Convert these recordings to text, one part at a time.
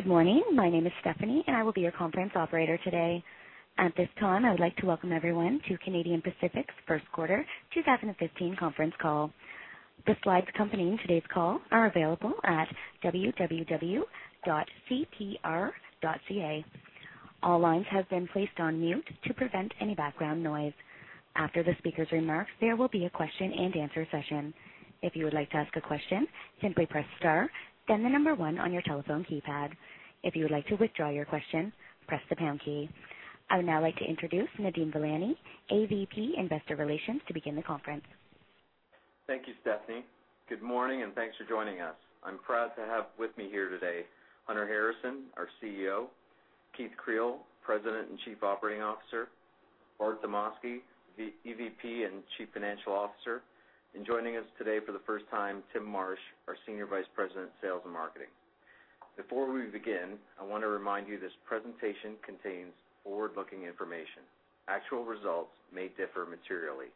Good morning. My name is Stephanie, and I will be your conference operator today. At this time, I would like to welcome everyone to Canadian Pacific's first quarter 2015 conference call. The slides accompanying today's call are available at www.cpr.ca. All lines have been placed on mute to prevent any background noise. After the speaker's remarks, there will be a question-and-answer session. If you would like to ask a question, simply press star, then the number one on your telephone keypad. If you would like to withdraw your question, press the pound key. I would now like to introduce Nadeem Velani, AVP, Investor Relations, to begin the conference. Thank you, Stephanie. Good morning, and thanks for joining us. I'm proud to have with me here today, Hunter Harrison, our CEO; Keith Creel, President and Chief Operating Officer; Bart Demosky, the EVP and Chief Financial Officer, and joining us today for the first time, Tim Marsh, our Senior Vice President, Sales and Marketing. Before we begin, I wanna remind you this presentation contains forward-looking information. Actual results may differ materially.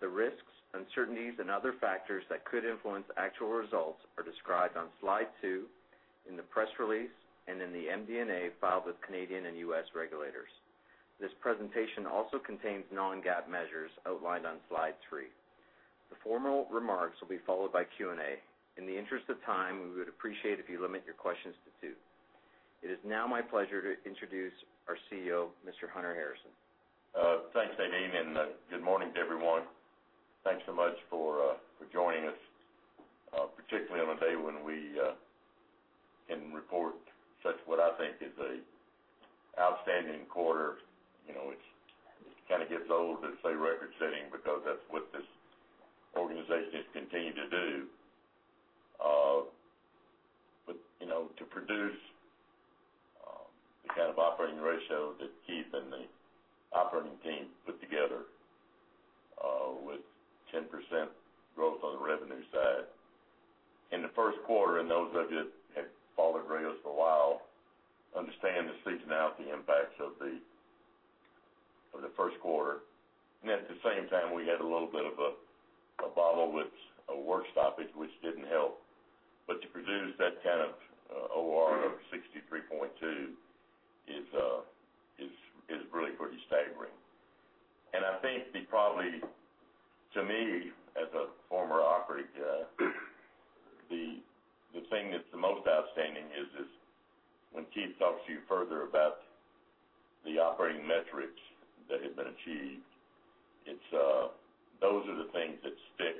The risks, uncertainties, and other factors that could influence actual results are described on slide two in the press release and in the MD&A filed with Canadian and U.S. regulators. This presentation also contains non-GAAP measures outlined on slide three. The formal remarks will be followed by Q&A. In the interest of time, we would appreciate if you limit your questions to two. It is now my pleasure to introduce our CEO, Mr. Hunter Harrison. Thanks, Nadeem, and good morning to everyone. Thanks so much for for joining us, particularly on a day when we can report such what I think is a outstanding quarter. You know, it's – it kind of gets old to say record-setting because that's what this organization has continued to do. But, you know, to produce the kind of operating ratio that Keith and the operating team put together with 10% growth on the revenue side in the first quarter, and those of you that have followed rails for a while understand the seasonality impacts of the first quarter. And at the same time, we had a little bit of a battle with a work stoppage, which didn't help. But to produce that kind of OR of 63.2% is really pretty staggering. I think, probably, to me, as a former operator, the thing that's the most outstanding is when Keith talks to you further about the operating metrics that have been achieved. It's those are the things that stick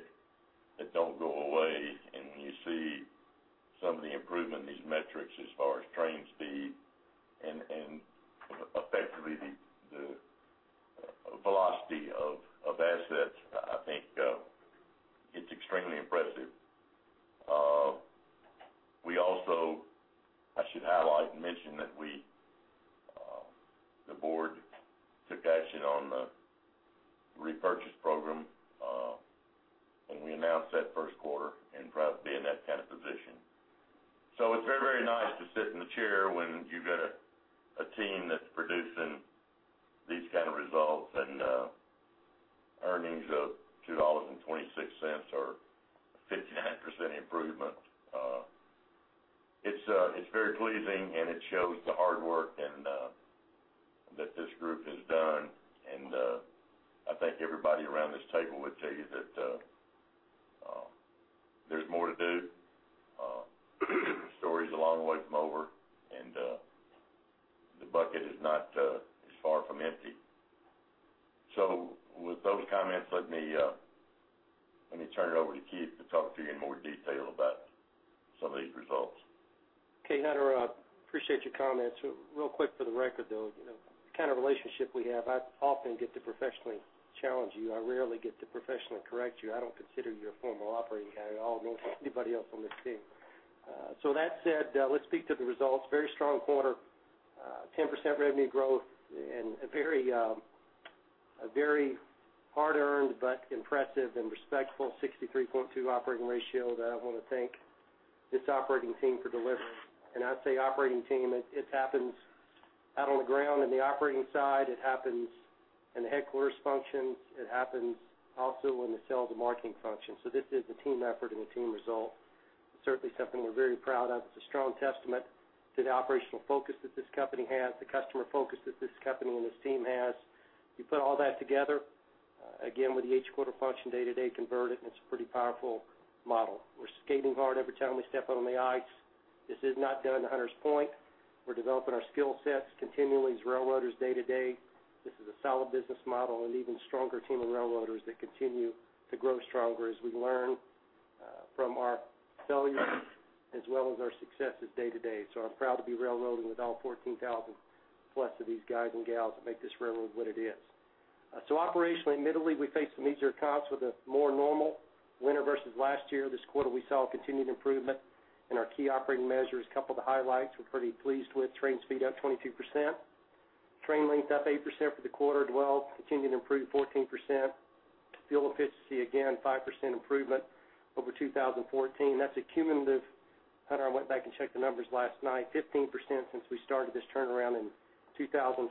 that don't go away. When you see some of the improvement in these metrics as far as train speed and effectively the velocity of assets, I think it's extremely impressive. We also... I should highlight and mention that we the board took action on the repurchase program and we announced that first quarter and proud to be in that kind of position. So it's very, very nice to sit in the chair when you've got a team that's producing these kind of results and earnings of $2.26 or 59% improvement. It's very pleasing, and it shows the hard work and that this group has done. I think everybody around this table would tell you that there's more to do. The story's a long way from over, and the bucket is not far from empty. So with those comments, let me turn it over to Keith to talk to you in more detail about some of these results. Okay, Hunter, I appreciate your comments. Real quick, for the record, though, you know, the kind of relationship we have, I often get to professionally challenge you. I rarely get to professionally correct you. I don't consider you a former operator at all, nor anybody else on this team. So that said, let's speak to the results. Very strong quarter, 10% revenue growth and a very, a very hard-earned but impressive and respectful 63.2% operating ratio that I wanna thank this operating team for delivering. And I say operating team, it, it happens out on the ground in the operating side, it happens in the headquarters functions, it happens also in the sales and marketing function. So this is a team effort and a team result. Certainly something we're very proud of. It's a strong testament to the operational focus that this company has, the customer focus that this company and this team has. You put all that together, again, with the H quarter function, day-to-day convert it, and it's a pretty powerful model. We're skating hard every time we step on the ice. This is not done to Hunter's point. We're developing our skill sets continually as railroaders day-to-day. This is a solid business model and even stronger team of railroaders that continue to grow stronger as we learn, from our failures, as well as our successes day-to-day. So I'm proud to be railroading with all 14,000+ of these guys and gals that make this railroad what it is. So operationally, admittedly, we faced some easier comps with a more normal winter versus last year. This quarter, we saw a continued improvement in our key operating measures. A couple of the highlights we're pretty pleased with: train speed up 22%, train length up 8% for the quarter, dwell continuing to improve 14%. Fuel efficiency, again, 5% improvement over 2014. That's a cumulative 15%. Hunter, I went back and checked the numbers last night since we started this turnaround in 2012.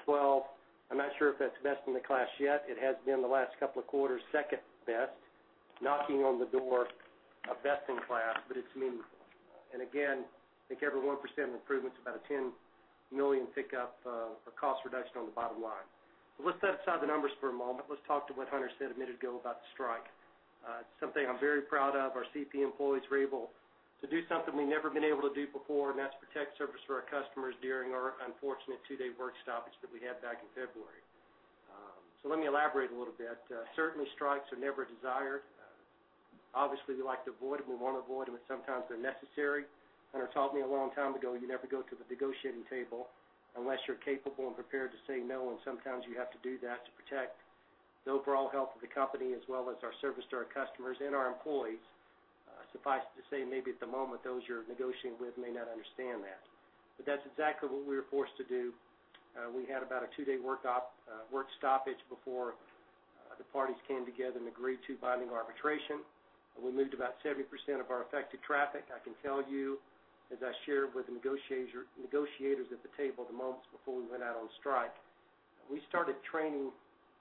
I'm not sure if that's best in the class yet. It has been the last couple of quarters, second best, knocking on the door of best-in-class, but it's meaningful. And again, I think every 1% improvement is about a $10 million pickup or cost reduction on the bottom line. But let's set aside the numbers for a moment. Let's talk to what Hunter said a minute ago about the strike. It's something I'm very proud of. Our CP employees were able to do something we've never been able to do before, and that's protect service for our customers during our unfortunate two-day work stoppage that we had back in February. So let me elaborate a little bit. Certainly, strikes are never desired. Obviously, we like to avoid them. We want to avoid them, but sometimes they're necessary. Hunter taught me a long time ago, you never go to the negotiating table unless you're capable and prepared to say no, and sometimes you have to do that to protect the overall health of the company, as well as our service to our customers and our employees. Suffice it to say, maybe at the moment, those you're negotiating with may not understand that, but that's exactly what we were forced to do. We had about a two-day work stoppage before the parties came together and agreed to binding arbitration, and we moved about 70% of our affected traffic. I can tell you, as I shared with the negotiators at the table the months before we went out on strike, we started training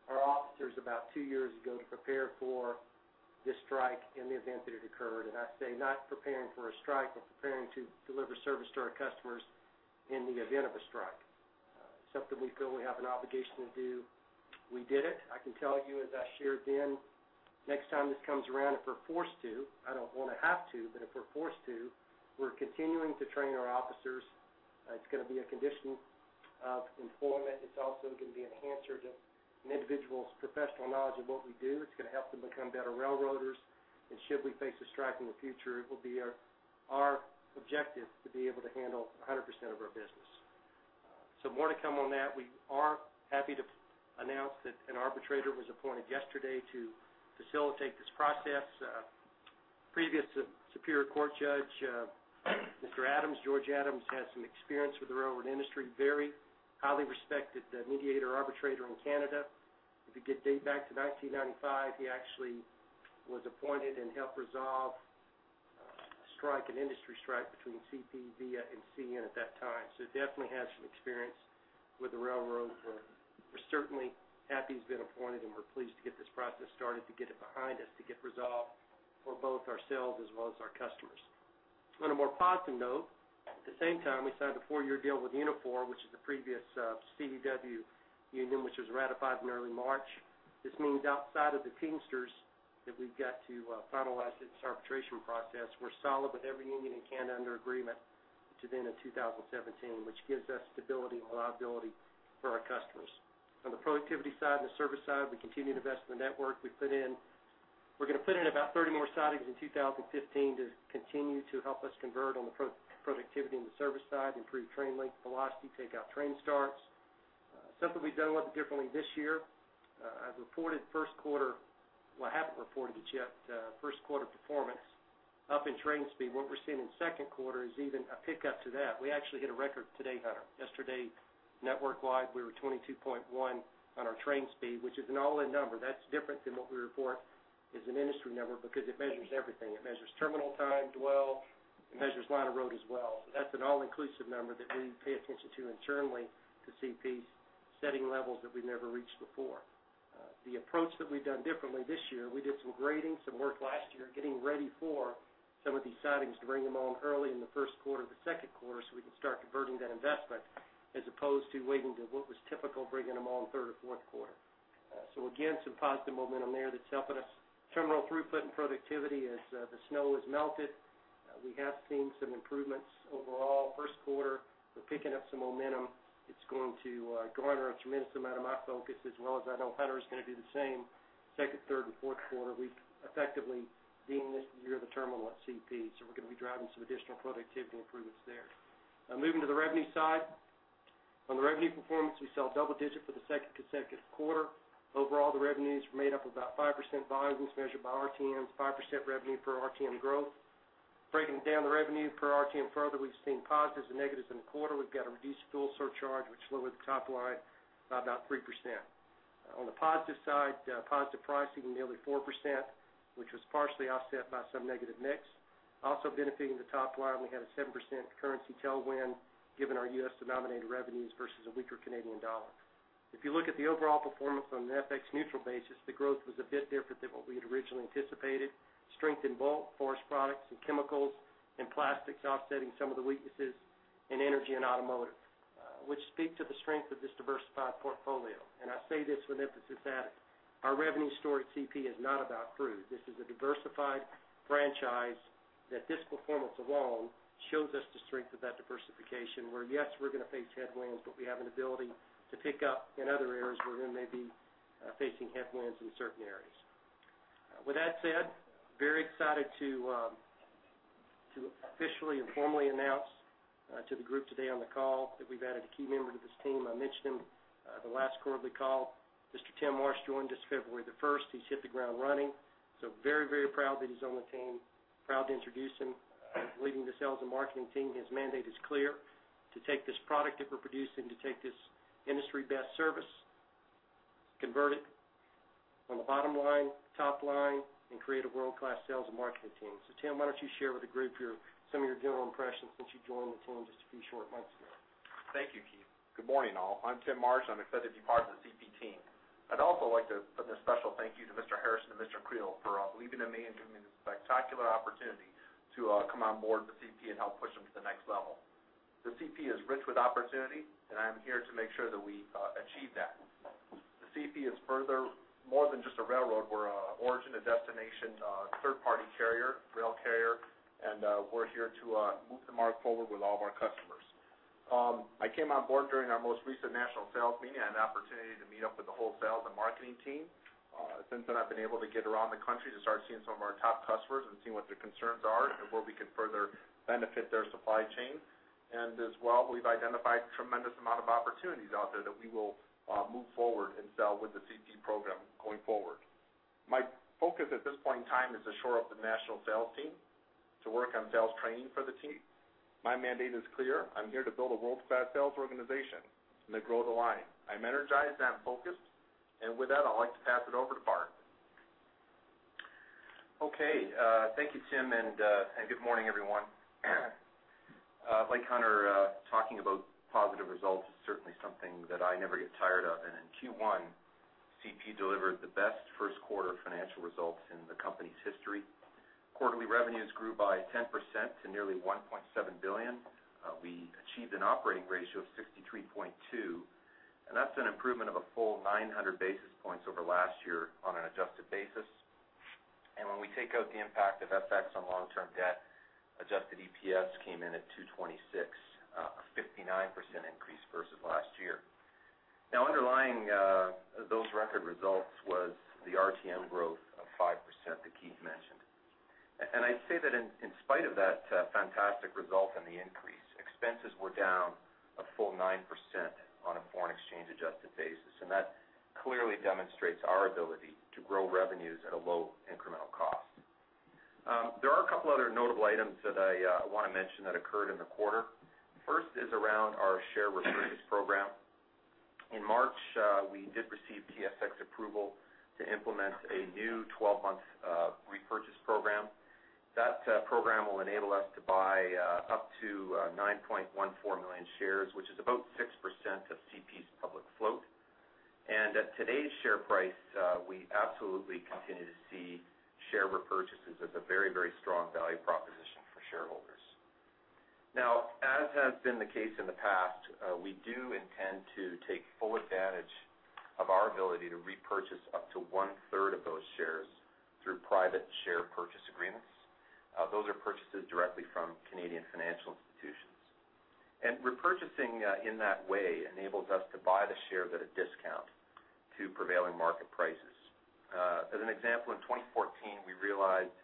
our officers about two years ago to prepare for this strike in the event that it occurred. And I say, not preparing for a strike, but preparing to deliver service to our customers in the event of a strike. Something we feel we have an obligation to do. We did it. I can tell you, as I shared then, next time this comes around, if we're forced to, I don't want to have to, but if we're forced to, we're continuing to train our officers. It's gonna be a condition of employment. It's also gonna be an enhancer to an individual's professional knowledge of what we do. It's gonna help them become better railroaders, and should we face a strike in the future, it will be our, our objective to be able to handle 100% of our business. So more to come on that. We are happy to announce that an arbitrator was appointed yesterday to facilitate this process. Previously a superior court judge, Mr. Adams, George Adams, has some experience with the railroad industry, very highly respected mediator, arbitrator in Canada. Dating back to 1995, he actually was appointed and helped resolve a strike, an industry strike between CP, VIA, and CN at that time. So he definitely has some experience with the railroad. We're certainly happy he's been appointed, and we're pleased to get this process started, to get it behind us, to get resolved for both ourselves as well as our customers. On a more positive note, at the same time, we signed a four-year deal with Unifor, which is the previous CAW union, which was ratified in early March. This means outside of the Teamsters, that we've got to finalize this arbitration process, we're solid with every union in Canada under agreement to then in 2017, which gives us stability and reliability for our customers. On the productivity side and the service side, we continue to invest in the network. We're gonna put in about 30 more sidings in 2015 to continue to help us convert on the productivity and the service side, improve train length velocity, take out train starts. Something we've done a little bit differently this year, as reported first quarter. Well, I haven't reported it yet, first quarter performance up in train speed. What we're seeing in second quarter is even a pickup to that. We actually hit a record today, Hunter. Yesterday, network-wide, we were 22.1 on our train speed, which is an all-in number. That's different than what we report as an industry number because it measures everything. It measures terminal time, dwell, it measures line of road as well. So that's an all-inclusive number that we pay attention to internally to CP, setting levels that we've never reached before. The approach that we've done differently this year, we did some grading, some work last year, getting ready for some of these sidings to bring them on early in the first quarter or the second quarter, so we can start converting that investment, as opposed to waiting to what was typical, bringing them on third or fourth quarter. So again, some positive momentum there that's helping us. Terminal throughput and productivity, as the snow has melted, we have seen some improvements overall. First quarter, we're picking up some momentum. It's going to garner a tremendous amount of my focus, as well as I know Hunter is gonna do the same. Second, third, and fourth quarter, we've effectively deemed this year the terminal at CP, so we're gonna be driving some additional productivity improvements there. Now moving to the revenue side. On the revenue performance, we saw double-digit for the second consecutive quarter. Overall, the revenues were made up of about 5% volumes measured by RTMs, 5% revenue per RTM growth. Breaking down the revenue per RTM further, we've seen positives and negatives in the quarter. We've got a reduced fuel surcharge, which lowered the top line by about 3%. On the positive side, positive pricing, nearly 4%, which was partially offset by some negative mix. Also benefiting the top line, we had a 7% currency tailwind, given our U.S.-denominated revenues versus a weaker Canadian dollar. If you look at the overall performance on an FX neutral basis, the growth was a bit different than what we had originally anticipated. Strength in bulk, forest products, and chemicals and plastics offsetting some of the weaknesses in energy and automotive, which speak to the strength of this diversified portfolio. And I say this with emphasis that our revenue story at CP is not about crude. This is a diversified franchise that this performance alone shows us the strength of that diversification, where, yes, we're gonna face headwinds, but we have an ability to pick up in other areas where we may be facing headwinds in certain areas. With that said, very excited to officially and formally announce to the group today on the call that we've added a key member to this team. I mentioned him the last quarterly call. Mr. Tim Marsh joined us February the first. He's hit the ground running, so very, very proud that he's on the team, proud to introduce him, leading the sales and marketing team. His mandate is clear: to take this product that we're producing, to take this industry-best service, convert it on the bottom line, top line, and create a world-class sales and marketing team. So Tim, why don't you share with the group your, some of your general impressions since you joined the team just a few short months ago? Thank you, Keith. Good morning, all. I'm Tim Marsh. I'm excited to be part of the CP team. I'd also like to put a special thank you to Mr. Harrison and Mr. Creel for believing in me and giving me this spectacular opportunity to come on board with CP and help push them to the next level. The CP is rich with opportunity, and I'm here to make sure that we achieve that. The CP is furthermore than just a railroad. We're an origin-to-destination third-party carrier, rail carrier, and we're here to move the market forward with all of our customers. I came on board during our most recent national sales meeting. I had an opportunity to meet up with the whole sales and marketing team. Since then, I've been able to get around the country to start seeing some of our top customers and seeing what their concerns are and where we can further benefit their supply chain. And as well, we've identified a tremendous amount of opportunities out there that we will move forward and sell with the CP program going forward. My focus at this point in time is to shore up the national sales team, to work on sales training for the team. My mandate is clear: I'm here to build a world-class sales organization and to grow the line. I'm energized, and I'm focused, and with that, I'd like to pass it over to Bart. Okay, thank you, Tim, and good morning, everyone. Like Hunter, talking about positive results is certainly something that I never get tired of, and in Q1, CP delivered the best first quarter financial results in the company's history. Quarterly revenues grew by 10% to nearly 1.7 billion. We achieved an operating ratio of 63.2, and that's an improvement of a full 900 basis points over last year on an adjusted basis. And when we take out the impact of FX on long-term debt, adjusted EPS came in at 2.26, a 59% increase versus last year. Now, underlying those record results was the RTM growth of 5% that Keith mentioned. I'd say that in spite of that fantastic result and the increase, expenses were down a full 9% on a foreign exchange adjusted basis, and that clearly demonstrates our ability to grow revenues at a low incremental cost. There are a couple other notable items that I wanna mention that occurred in the quarter. First is around our share repurchase program. In March, we did receive TSX approval to implement a new 12-month repurchase program. That program will enable us to buy up to 9.14 million shares, which is about 6% of CP's public float. At today's share price, we absolutely continue to see share repurchases as a very, very strong value proposition for shareholders. Now, as has been the case in the past, we do intend to take full advantage of our ability to repurchase up to one-third of those shares through private share purchase agreements. Those are purchases directly from Canadian financial institutions. And repurchasing in that way enables us to buy the share at a discount to prevailing market prices. As an example, in 2014, we realized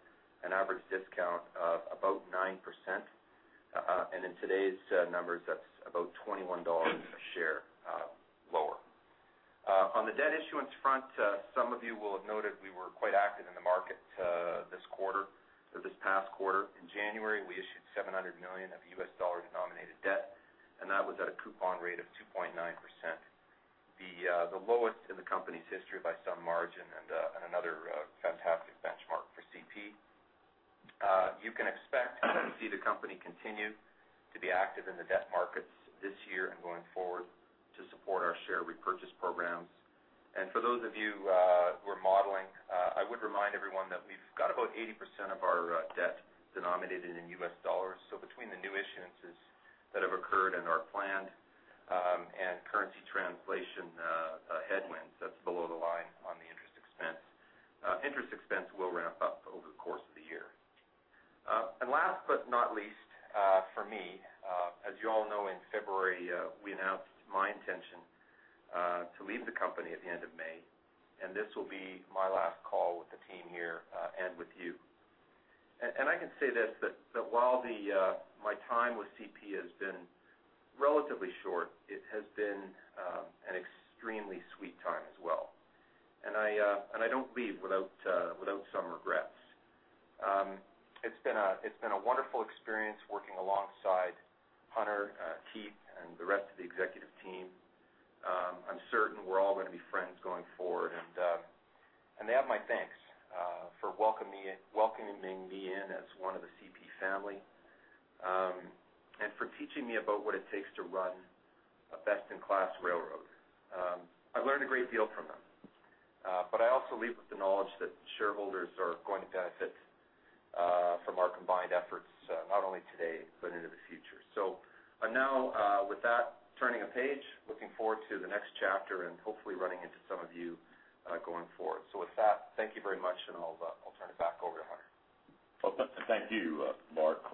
an average discount of about 9%, and in today's numbers, that's about $21 a share lower. On the debt issuance front, some of you will have noted we were quite active in the market this quarter or this past quarter. In January, we issued $700 million of U.S. dollar-denominated debt, and that was at a coupon rate of 2.9%, the lowest in the company's history by some margin and another fantastic benchmark for CP. You can expect to see the company continue to be active in the debt markets this year and going forward to support our share repurchase programs. For those of you who are modeling, I would remind everyone that we've got about 80% of our debt denominated in U.S. dollars. So between the new issuances that have occurred and are planned, and currency translation headwinds, that's below the line on the interest expense, interest expense will ramp up over the course of the year. And last but not least, for me, as you all know, in February, we announced my intention to leave the company at the end of May, and this will be my last call with the team here, and with you. I can say this, that while my time with CP has been relatively short, it has been an extremely sweet time as well, and I don't leave without some regrets. It's been a wonderful experience working alongside Hunter, Keith, and the rest of the executive team. I'm certain we're all gonna be friends going forward, and they have my thanks for welcoming me in as one of the CP family, and for teaching me about what it takes to run a best-in-class railroad. I've learned a great deal from them, but I also leave with the knowledge that shareholders are going to benefit from our combined efforts, not only today, but into the future. So, and now, with that, turning a page, looking forward to the next chapter and hopefully running into some of you going forward. So with that, thank you very much, and I'll turn it back over to Hunter. Well, thank you, Bart,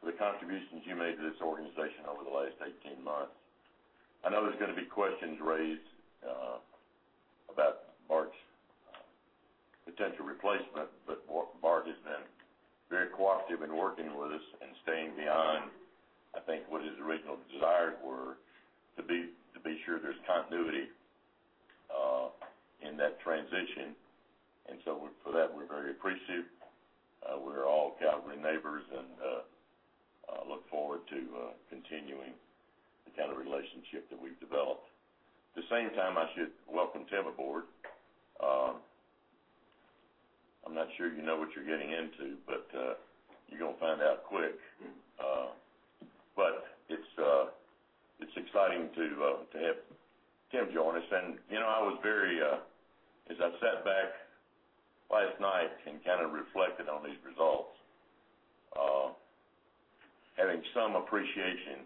for the contributions you made to this organization over the last 18 months. I know there's gonna be questions raised about Bart's potential replacement, but Bart has been very cooperative in working with us and staying beyond, I think, what his original desires were, to be sure there's continuity in that transition. And so for that, we're very appreciative. We're all Calgary neighbors, and I look forward to continuing the kind of relationship that we've developed. At the same time, I should welcome Tim aboard. I'm not sure you know what you're getting into, but you're gonna find out quick. But it's exciting to have Tim join us. And, you know, I was very, as I sat back last night and kind of reflected on these results, having some appreciation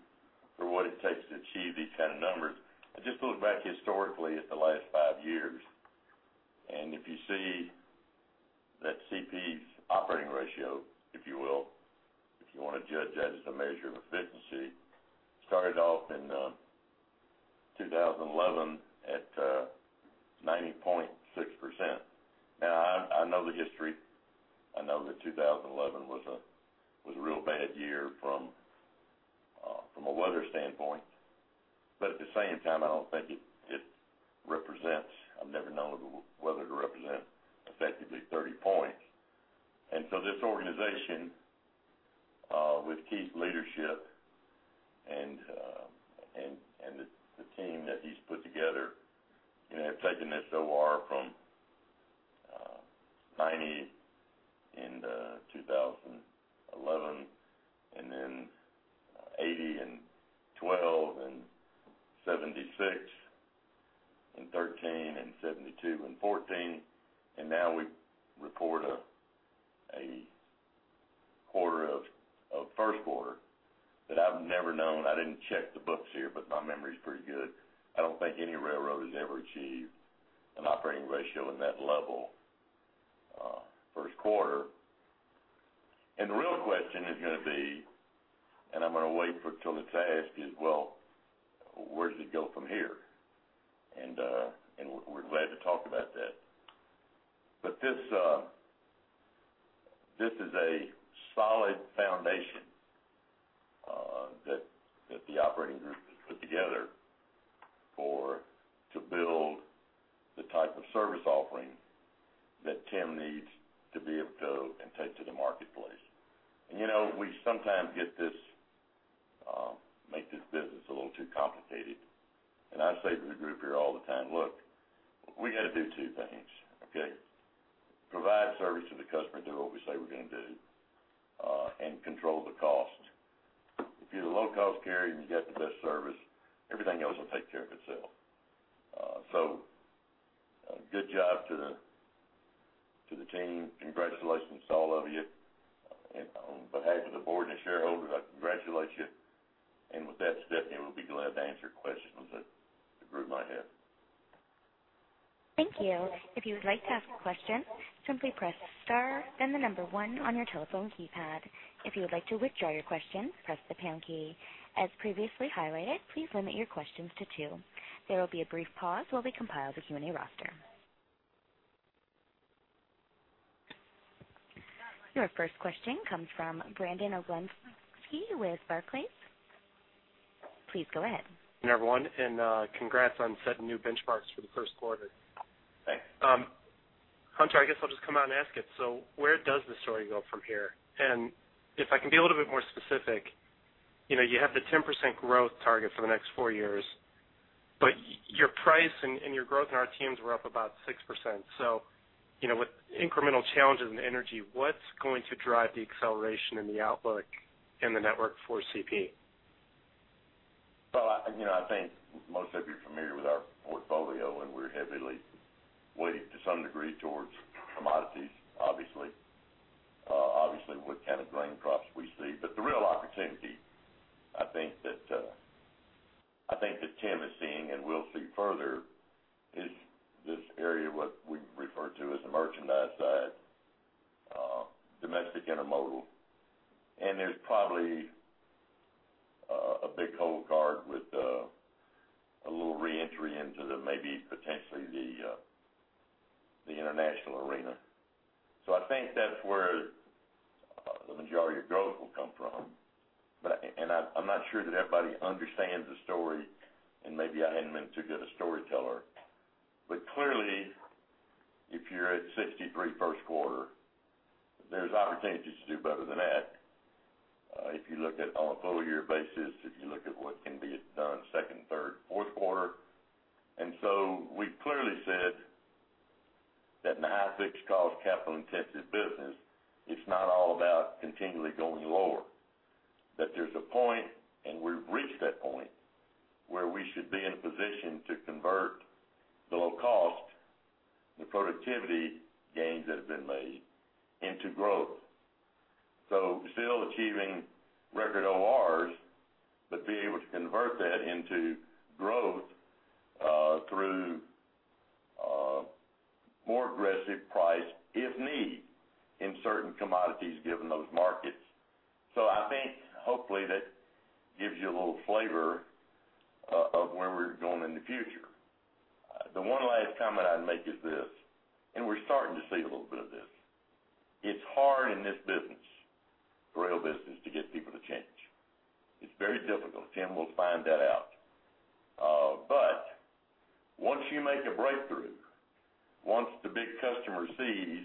for what it takes to achieve these kind of numbers. I just looked back historically at the last five years, and if you see that CP's operating ratio, if you will, if you wanna judge that as a measure of efficiency, started off in 2011 at 90.6%. Now, I know the history. I know that 2011 was a real bad year from a weather standpoint, but at the same time, I don't think it represents... I've never known the weather to represent effectively 30 points. So this organization, with Keith's leadership and, and the, the team that he's put together, you know, have taken this OR from, 90% in 2011, and then 80% in 2012, and 76% in 2013, and 72% in 2014. And now we report a quarter of first quarter that I've never known. I didn't check the books here, but my memory's pretty good. I don't think any railroad has ever achieved an operating ratio in that level, first quarter. And the real question is gonna be, and I'm gonna wait for till it's asked, is, "Well, where does it go from here?" And, and we're, we're glad to talk about that. But this is a solid foundation that the operating group has put together for to build the type of service offering that Tim needs to be able to go and take to the marketplace. And, you know, we sometimes make this business a little too complicated. And I say to the group here all the time: "Look, we gotta do two things, okay? Provide service to the customer, do what we say we're gonna do, and control the cost. If you're the low-cost carrier and you got the best service, everything else will take care of itself." So, good job to the team. Congratulations to all of you. And on behalf of the board and shareholders, I congratulate you. And with that, Stephanie, we'll be glad to answer questions that the group might have. Thank you. If you would like to ask a question, simply press star, then the number one on your telephone keypad. If you would like to withdraw your question, press the pound key. As previously highlighted, please limit your questions to two. There will be a brief pause while we compile the Q&A roster. Your first question comes from Brandon Oglenski with Barclays. Please go ahead. Good morning, everyone, and congrats on setting new benchmarks for the first quarter. Thanks. Hunter, I guess I'll just come out and ask it: So where does the story go from here? And if I can be a little bit more specific, you know, you have the 10% growth target for the next four years, but your volumes and your growth in RTMs were up about 6%. So, you know, with incremental challenges in energy, what's going to drive the acceleration in the outlook in the network for CP? Well, you know, I think most of you are familiar with our portfolio, and we're heavily weighted to some degree towards commodities, obviously. Obviously, what kind of grain crops we see. But the real opportunity, I think that I think that Tim is seeing, and we'll see further, is this area, what we refer to as the merchandise side, domestic intermodal. And there's probably a big wild card with a little reentry into the maybe potentially the international arena. So I think that's where the majority of growth will come from. But and I, I'm not sure that everybody understands the story, and maybe I haven't been too good a storyteller. But clearly, if you're at 63% first quarter, there's opportunities to do better than that. If you look at on a full year basis, if you look at what can be done second, third, fourth quarter. And so we've clearly said that in a high fixed cost, capital-intensive business, it's not all about continually going lower, that there's a point, and we've reached that point, where we should be in a position to convert the low cost and the productivity gains that have been made into growth. So still achieving record ORs, but being able to convert that into growth through more aggressive price, if need, in certain commodities, given those markets. So I think hopefully that gives you a little flavor of where we're going in the future. The one last comment I'd make is this, and we're starting to see a little bit of this: It's hard in this business, rail business, to get people to change. It's very difficult. Tim will find that out. But once you make a breakthrough, once the big customer sees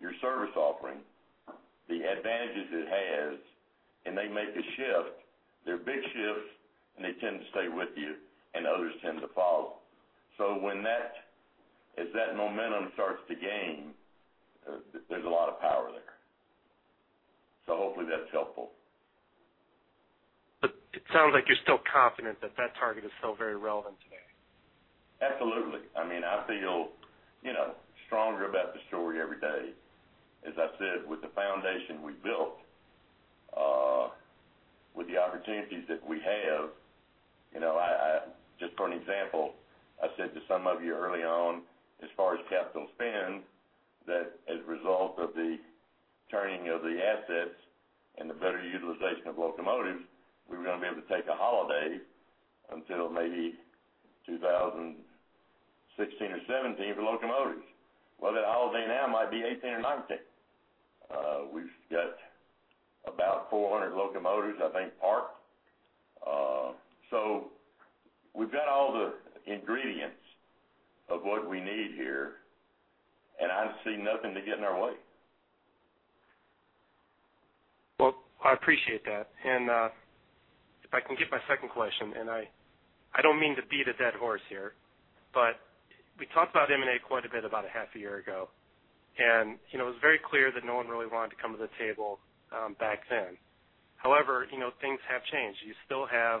your service offering, the advantages it has, and they make a shift, they're big shifts, and they tend to stay with you, and others tend to follow. So when that momentum starts to gain, there's a lot of power there. So hopefully, that's helpful. It sounds like you're still confident that that target is still very relevant today. Absolutely. I mean, I feel, you know, stronger about the story every day. As I said, with the foundation we built, with the opportunities that we have, you know, I just for an example, I said to some of you early on, as far as capital spend, that as a result of the turning of the assets and the better utilization of locomotives, we were gonna be able to take a holiday until maybe 2016 or 2017 for locomotives. Well, that holiday now might be 2018 or 2019. We've got about 400 locomotives, I think, parked. So we've got all the ingredients of what we need here, and I see nothing to get in our way. Well, I appreciate that. And if I can get my second question, and I don't mean to beat a dead horse here, but we talked about M&A quite a bit about a half a year ago, and, you know, it was very clear that no one really wanted to come to the table back then. However, you know, things have changed. You still have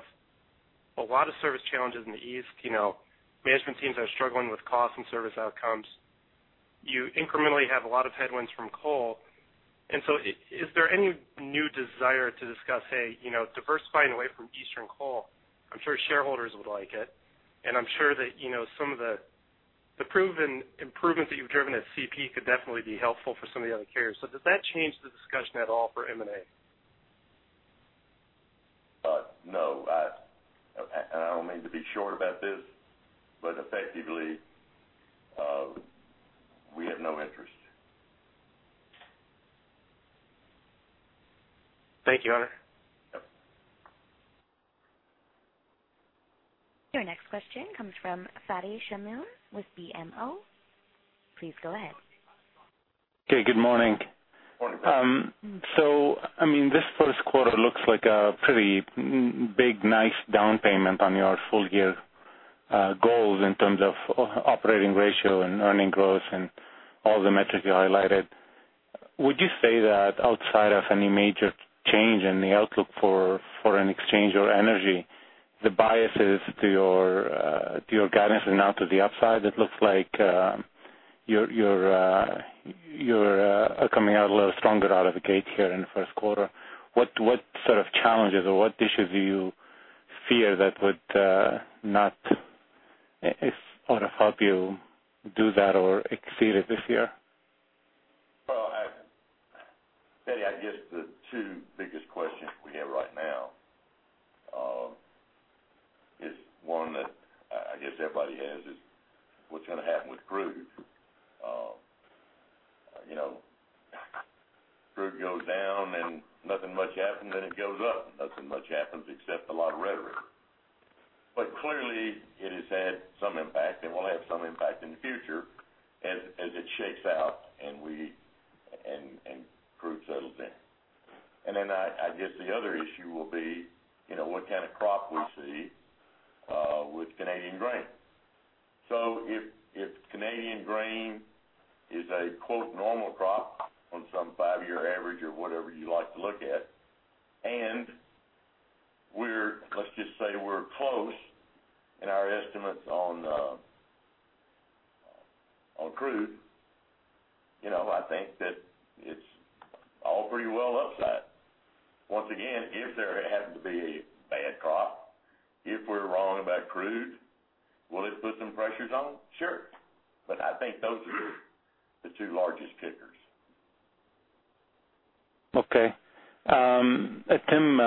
a lot of service challenges in the east. You know, management teams are struggling with costs and service outcomes. You incrementally have a lot of headwinds from coal. And so is there any new desire to discuss, hey, you know, diversifying away from Eastern coal? I'm sure shareholders would like it, and I'm sure that, you know, some of the proven improvements that you've driven at CP could definitely be helpful for some of the other carriers. So does that change the discussion at all for M&A? No. I, and I don't mean to be short about this, but effectively, we have no interest. Thank you, Hunter. Yep. Your next question comes from Fadi Chamoun with BMO. Please go ahead. Okay, good morning. Morning. So, I mean, this first quarter looks like a pretty big, nice down payment on your full year goals in terms of operating ratio and earnings growth and all the metrics you highlighted. Would you say that outside of any major change in the outlook for foreign exchange or energy, the biases to your guidance are now to the upside? It looks like you're coming out a little stronger out of the gate here in the first quarter. What sort of challenges or what issues do you fear that would not, if or help you do that or exceed it this year? Well, Fadi, I guess the two biggest questions we have right now is one that I guess everybody has, is what's gonna happen with crude? You know, crude goes down and nothing much happens, then it goes up, and nothing much happens except a lot of rhetoric. But clearly, it has had some impact and will have some impact in the future as it shakes out and crude settles in. And then I guess the other issue will be, you know, what kind of crop we see with Canadian grain. So if Canadian grain is a, quote, "normal crop" on some five-year average or whatever you like to look at, and we're, let's just say we're close in our estimates on crude, you know, I think that it's all pretty well upside. Once again, if there happens to be a bad crop, if we're wrong about crude, will it put some pressures on? Sure. But I think those are the two largest kickers. Okay. Tim,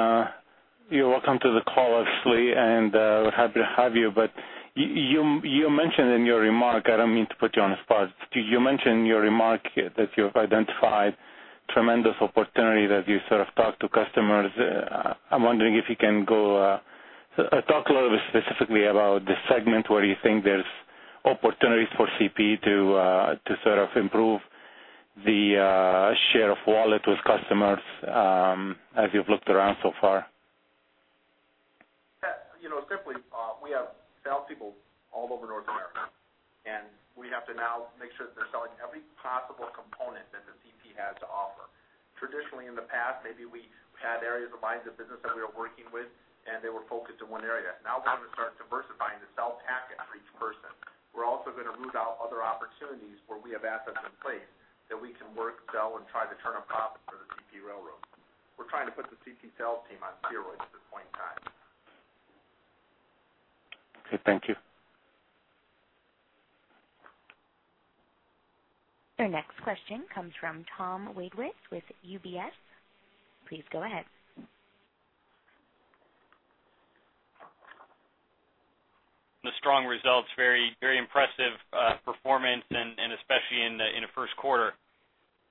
you're welcome to the call, obviously, and happy to have you. But you mentioned in your remark, I don't mean to put you on the spot. You mentioned in your remark that you've identified tremendous opportunity that you sort of talked to customers. I'm wondering if you can go talk a little bit specifically about the segment where you think there's opportunities for CP to sort of improve the share of wallet with customers, as you've looked around so far. Yeah, you know, simply, we have sales people all over North America, and we have to now make sure that they're selling every possible component that the CP has to offer. Traditionally, in the past, maybe we had areas of lines of business that we were working with, and they were focused in one area. Now, we're going to start diversifying the sales packet for each person. We're also going to root out other opportunities where we have assets in place that we can work, sell, and try to turn a profit for the CP Railroad. We're trying to put the CP sales team on steroids at this point in time. Okay, thank you. Our next question comes from Tom Wadewitz with UBS. Please go ahead. The strong results, very, very impressive performance, and especially in the first quarter.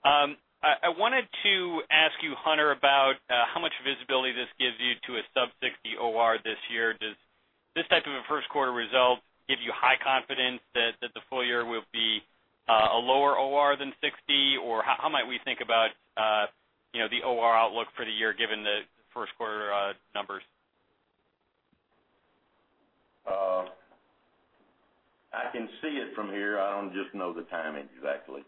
I wanted to ask you, Hunter, about how much visibility this gives you to a sub-60% OR this year. Do the first quarter results give you high confidence that the full year will be a lower OR than 60%? Or how might we think about, you know, the OR outlook for the year given the first quarter numbers? I can see it from here, I don't just know the timing exactly.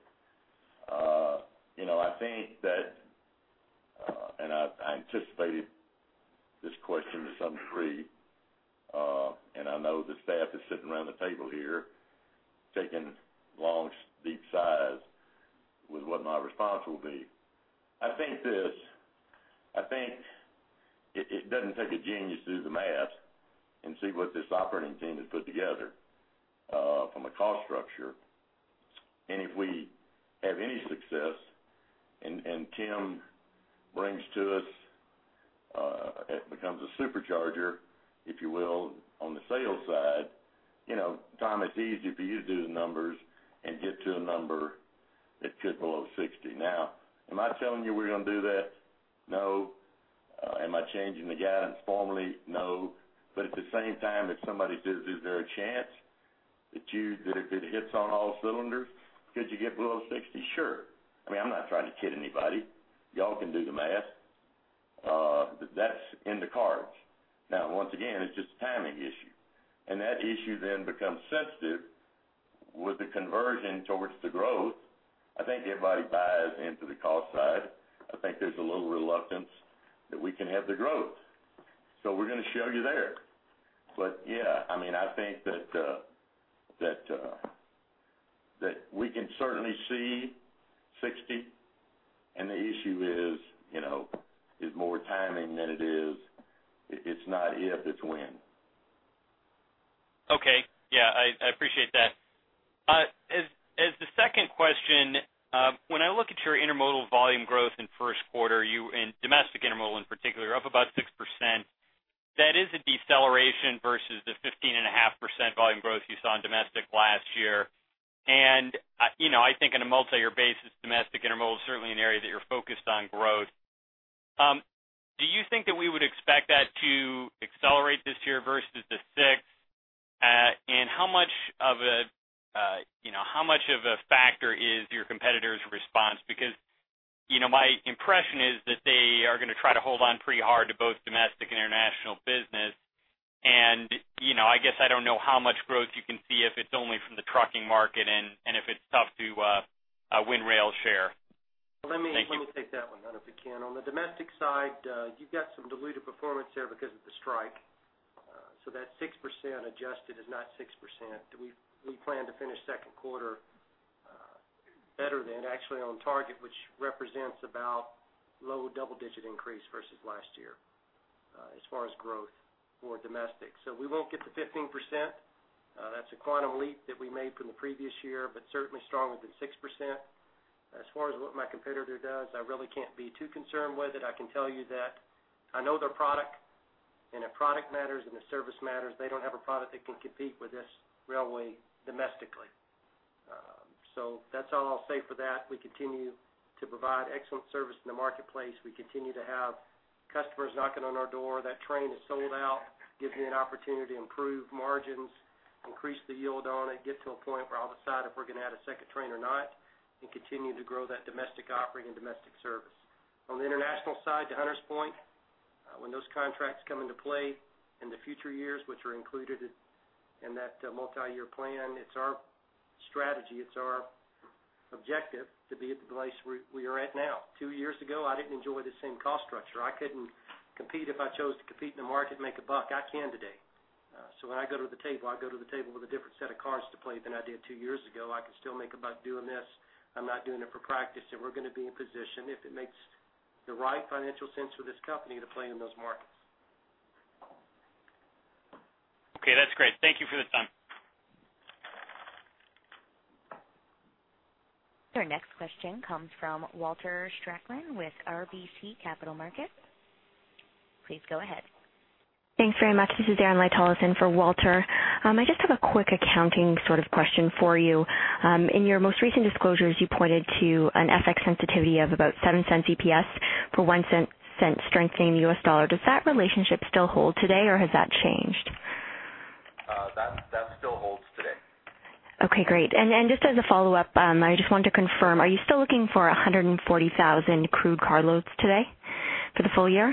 You know, I think that, and I anticipated this question to some degree, and I know the staff is sitting around the table here taking long, deep sighs with what my response will be. I think this: I think it, it doesn't take a genius to do the math and see what this operating team has put together, from a cost structure. And if we have any success, and Tim brings to us, it becomes a supercharger, if you will, on the sales side, you know, Tom, it's easy for you to do the numbers and get to a number that could below 60%. Now, am I telling you we're gonna do that? No. Am I changing the guidance formally? No. But at the same time, if somebody says, "Is there a chance that you, if it hits on all cylinders, could you get below 60%?" Sure. I mean, I'm not trying to kid anybody. Y'all can do the math. That's in the cards. Now, once again, it's just a timing issue, and that issue then becomes sensitive with the conversion towards the growth. I think everybody buys into the cost side. I think there's a little reluctance that we can have the growth. So we're gonna show you there. But yeah, I mean, I think that we can certainly see 60%, and the issue is, you know, is more timing than it is... It's not if, it's when. Okay. Yeah, I appreciate that. As the second question, when I look at your intermodal volume growth in first quarter, you-- in domestic intermodal, in particular, you're up about 6%. That is a deceleration versus the 15.5% volume growth you saw in domestic last year. You know, I think on a multiyear basis, domestic intermodal is certainly an area that you're focused on growth. Do you think that we would expect that to accelerate this year versus the 6%? And how much of a, you know, how much of a factor is your competitor's response? Because, you know, my impression is that they are gonna try to hold on pretty hard to both domestic and international business. You know, I guess I don't know how much growth you can see if it's only from the trucking market and if it's tough to win rail share. Thank you. Let me take that one, Hunter, if you can. On the domestic side, you've got some diluted performance there because of the strike. So that 6% adjusted is not 6%. We plan to finish second quarter better than actually on target, which represents about low double-digit increase versus last year as far as growth for domestic. So we won't get to 15%. That's a quantum leap that we made from the previous year, but certainly stronger than 6%. As far as what my competitor does, I really can't be too concerned with it. I can tell you that I know their product, and if product matters, and if service matters, they don't have a product that can compete with this railway domestically. So that's all I'll say for that. We continue to provide excellent service in the marketplace. We continue to have customers knocking on our door. That train is sold out, gives me an opportunity to improve margins, increase the yield on it, get to a point where I'll decide if we're gonna add a second train or not, and continue to grow that domestic offering and domestic service. On the international side, to Hunter's point, when those contracts come into play in the future years, which are included in that multiyear plan, it's our strategy, it's our objective to be at the place we are at now. Two years ago, I didn't enjoy the same cost structure. I couldn't compete if I chose to compete in the market, make a buck. I can today. So when I go to the table, I go to the table with a different set of cards to play than I did two years ago. I can still make a buck doing this. I'm not doing it for practice, and we're gonna be in position if it makes the right financial sense for this company to play in those markets. Okay, that's great. Thank you for the time. Your next question comes from Walter Spracklin with RBC Capital Markets. Please go ahead. Thanks very much. This is Danilo Juvane for Walter. I just have a quick accounting sort of question for you. In your most recent disclosures, you pointed to an FX sensitivity of about $0.07 EPS for $0.01 strengthening the US dollar. Does that relationship still hold today, or has that changed? That still holds today. Okay, great. And just as a follow-up, I just wanted to confirm, are you still looking for 140,000 crude carloads today for the full year?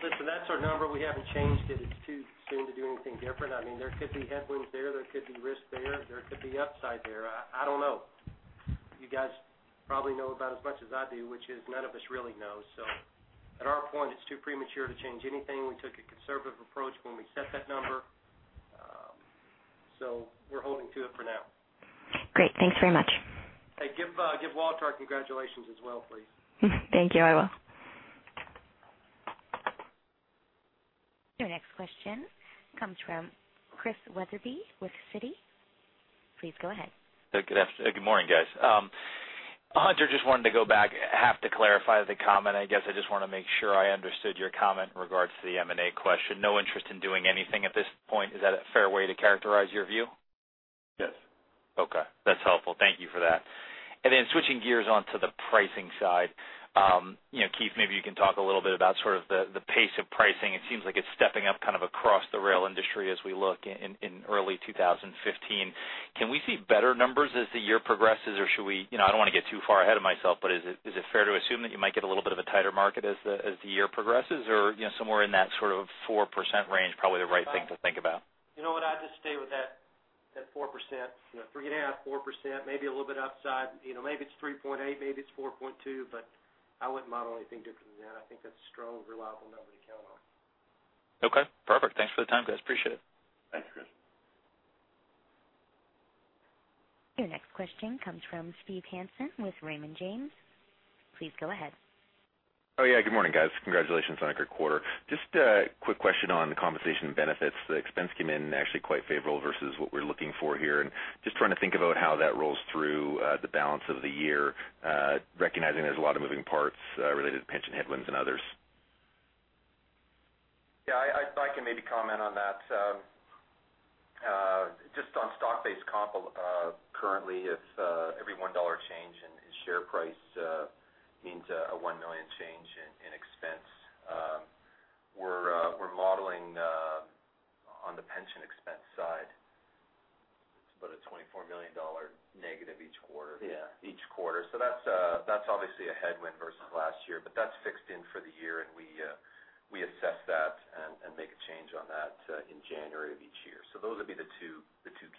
Listen, that's our number. We haven't changed it. It's too soon to do anything different. I mean, there could be headwinds there, there could be risk there, there could be upside there. I, I don't know. You guys probably know about as much as I do, which is none of us really know. So at our point, it's too premature to change anything. We took a conservative approach when we set that number, so we're holding to it for now. Great. Thanks very much. Hey, give Walter our congratulations as well, please. Thank you. I will. Your next question comes from Chris Wetherbee with Citi. Please go ahead. Good morning, guys. Hunter, just wanted to go back, have to clarify the comment. I guess I just want to make sure I understood your comment in regards to the M&A question. No interest in doing anything at this point, is that a fair way to characterize your view? Yes. Well, thank you for that. Then switching gears on to the pricing side, you know, Keith, maybe you can talk a little bit about sort of the pace of pricing. It seems like it's stepping up kind of across the rail industry as we look in early 2015. Can we see better numbers as the year progresses, or should we. You know, I don't want to get too far ahead of myself, but is it fair to assume that you might get a little bit of a tighter market as the year progresses? Or, you know, somewhere in that sort of 4% range, probably the right thing to think about. You know what? I'd just stay with that, that 4%. You know, 3.5%-4%, maybe a little bit upside. You know, maybe it's 3.8%, maybe it's 4.2%, but I wouldn't model anything different than that. I think that's a strong, reliable number to count on. Okay, perfect. Thanks for the time, guys. Appreciate it. Thanks, Chris. Your next question comes from Steve Hansen with Raymond James. Please go ahead. Oh, yeah. Good morning, guys. Congratulations on a great quarter. Just a quick question on the compensation benefits. The expense came in actually quite favorable versus what we're looking for here. And just trying to think about how that rolls through the balance of the year, recognizing there's a lot of moving parts related to pension headwinds and others. Yeah, I can maybe comment on that. Just on stock-based comp, currently, if every 1 dollar change in share price means a 1 million change in expense. We're modeling on the pension expense side, it's about a 24 million dollar negative each quarter. Yeah. Each quarter. So that's obviously a headwind versus last year, but that's fixed in for the year, and we assess that and make a change on that in January of each year. So those would be the two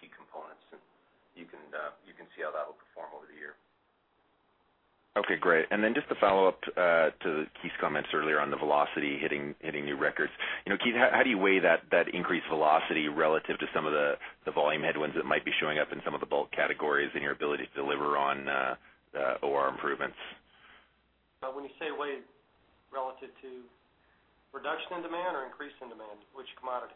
key components, and you can see how that will perform over the year. Okay, great. And then just to follow up to Keith's comments earlier on the velocity hitting new records. You know, Keith, how do you weigh that increased velocity relative to some of the volume headwinds that might be showing up in some of the bulk categories and your ability to deliver on OR improvements? When you say weigh relative to reduction in demand or increase in demand, which commodity?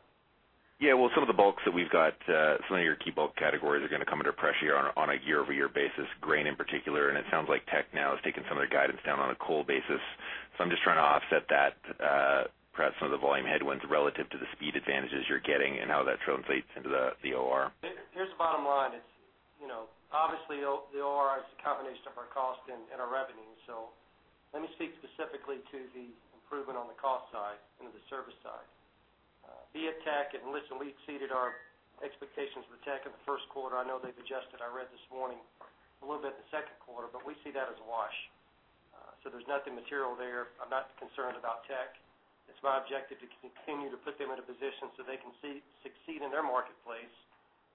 Yeah, well, some of the bulks that we've got, some of your key bulk categories are gonna come under pressure on a year-over-year basis, grain in particular, and it sounds like Teck now has taken some of their guidance down on a coal basis. So I'm just trying to offset that, perhaps some of the volume headwinds relative to the speed advantages you're getting and how that translates into the OR. Here's the bottom line: It's, you know, obviously the OR is a combination of our cost and our revenue. So let me speak specifically to the improvement on the cost side and the service side. Be it Teck, and listen, we've exceeded our expectations with Teck in the first quarter. I know they've adjusted, I read this morning, a little bit in the second quarter, but we see that as a wash. So there's nothing material there. I'm not concerned about Teck. It's my objective to continue to put them in a position so they can succeed in their marketplace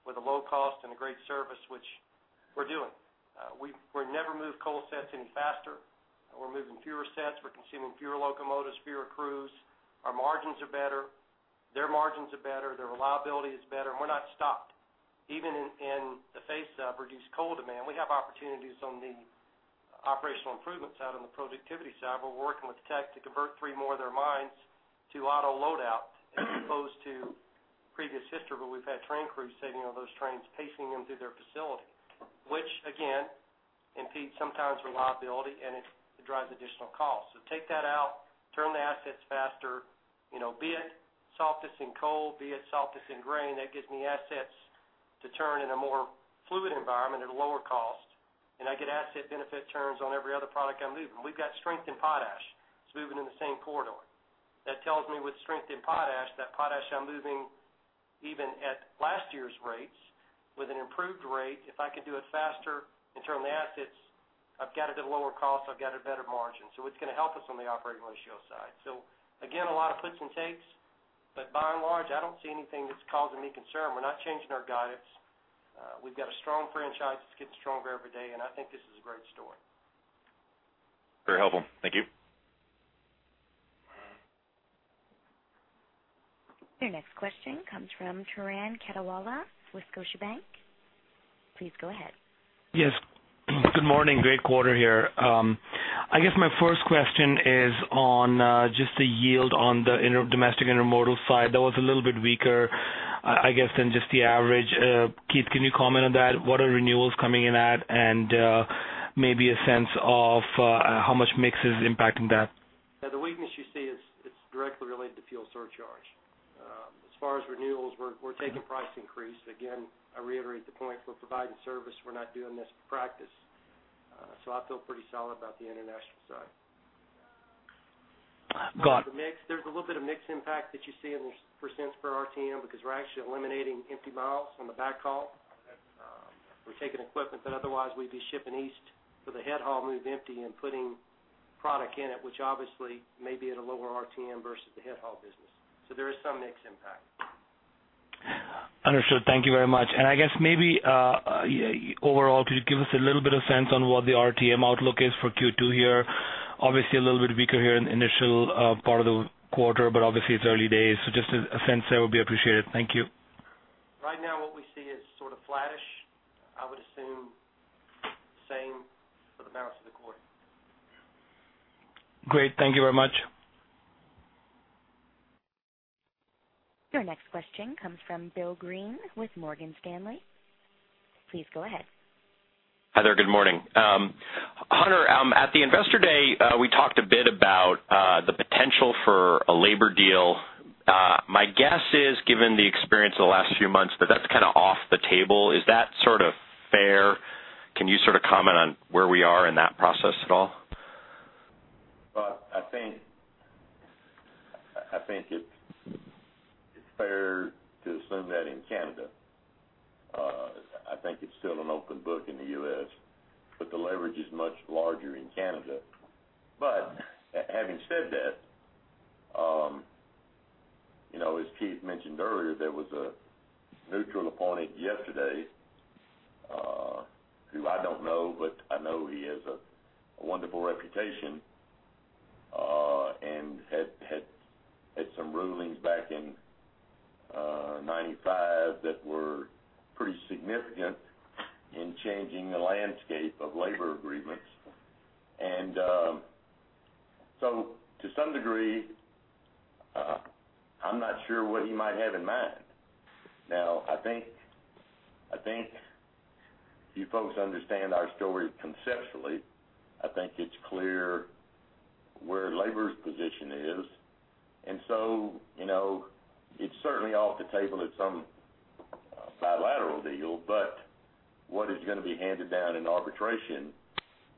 with a low cost and a great service, which we're doing. We've never moved coal sets any faster. We're moving fewer sets. We're consuming fewer locomotives, fewer crews. Our margins are better. Their margins are better. Their reliability is better, and we're not stopped. Even in the face of reduced coal demand, we have opportunities on the operational improvement side, on the productivity side, where we're working with Teck to convert three more of their mines to auto load out, as opposed to previous history, where we've had train crews sitting on those trains, pacing them through their facility, which again, impedes sometimes reliability, and it drives additional cost. So take that out, turn the assets faster, you know, be it sulphur and coal, be it sulphur and grain, that gives me assets to turn in a more fluid environment at a lower cost, and I get asset benefit turns on every other product I'm moving. We've got strength in potash. It's moving in the same corridor. That tells me with strength in potash, that potash I'm moving even at last year's rates with an improved rate, if I can do it faster and turn the assets, I've got it at a lower cost, I've got a better margin. So it's gonna help us on the operating ratio side. So again, a lot of puts and takes, but by and large, I don't see anything that's causing me concern. We're not changing our guidance. We've got a strong franchise that's getting stronger every day, and I think this is a great story. Very helpful. Thank you. Your next question comes from Turan Quettawala with Scotiabank. Please go ahead. Yes. Good morning, great quarter here. I guess my first question is on just the yield on the domestic intermodal side. That was a little bit weaker, I guess, than just the average. Keith, can you comment on that? What are renewals coming in at? And maybe a sense of how much mix is impacting that? Yeah, the weakness you see it's directly related to fuel surcharge. As far as renewals, we're taking price increase. Again, I reiterate the point, we're providing service, we're not doing this for practice. So I feel pretty solid about the international side. Got it. The mix, there's a little bit of mix impact that you see in the percent per RTM, because we're actually eliminating empty miles on the back haul. We're taking equipment that otherwise we'd be shipping east for the head haul move empty and putting product in it, which obviously may be at a lower RTM versus the head haul business. So there is some mix impact. Understood. Thank you very much. I guess maybe overall, could you give us a little bit of sense on what the RTM outlook is for Q2 here? Obviously, a little bit weaker here in the initial part of the quarter, but obviously, it's early days, so just a sense there would be appreciated. Thank you. Right now, what we see is sort of flattish. I would assume same for the balance of the quarter. Great. Thank you very much. Your next question comes from Bill Greene with Morgan Stanley. Please go ahead. Hi there. Good morning. Hunter, at the Investor Day, we talked a bit about the potential for a labor deal. My guess is, given the experience of the last few months, that that's kind of off the table. Is that sort of fair? Can you sort of comment on where we are in that process at all? Well, I think it's fair to assume that in Canada. I think it's still an open book in the U.S., but the leverage is much larger in Canada. But having said that, you know, as Keith mentioned earlier, there was a neutral appointee yesterday, who I don't know, but I know he has a wonderful reputation, and had some rulings back in 1995 that were pretty significant in changing the landscape of labor agreements. And so to some degree, I'm not sure what he might have in mind. Now, I think you folks understand our story conceptually. I think it's clear where labor's position is, and so, you know, it's certainly off the table at some bilateral deal. But what is gonna be handed down in arbitration,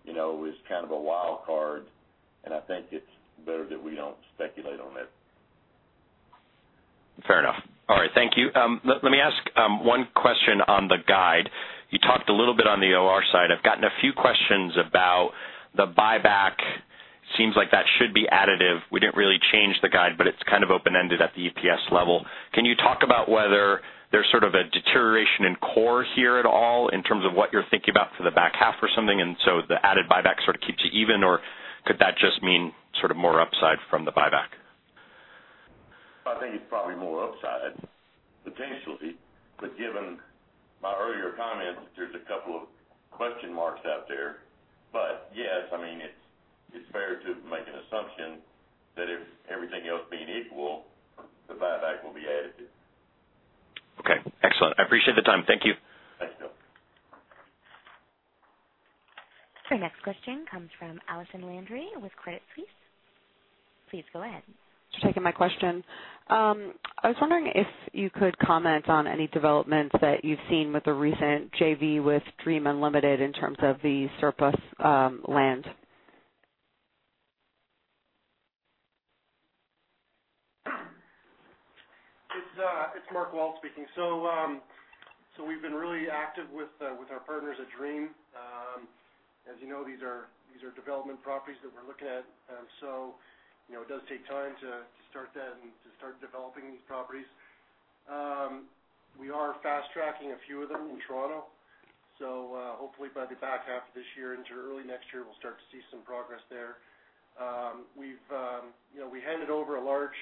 you know, is kind of a wild card, and I think it's better that we don't speculate on that. Fair enough. All right, thank you. Let me ask one question on the guide. You talked a little bit on the OR side. I've gotten a few questions about the buyback. Seems like that should be additive. We didn't really change the guide, but it's kind of open-ended at the EPS level. Can you talk about whether there's sort of a deterioration in core here at all, in terms of what you're thinking about for the back half or something, and so the added buyback sort of keeps you even? Or could that just mean sort of more upside from the buyback? I think it's probably more upside, potentially. But given my earlier comments, there's a couple of question marks out there. But yes, I mean, it's, it's fair to make an assumption that if everything else being equal, the buyback will be additive. Okay, excellent. I appreciate the time. Thank you. Thanks, Bill. The next question comes from Allison Landry with Credit Suisse. Please go ahead. Thanks for taking my question. I was wondering if you could comment on any developments that you've seen with the recent JV with Dream Unlimited in terms of the surplus land. It's, it's Bart Demosky speaking. So, so we've been really active with, with our partners at Dream. As you know, these are, these are development properties that we're looking at. And so, you know, it does take time to, to start that and to start developing these properties. We are fast-tracking a few of them in Toronto, so, hopefully by the back half of this year into early next year, we'll start to see some progress there. We've, you know, we handed over a large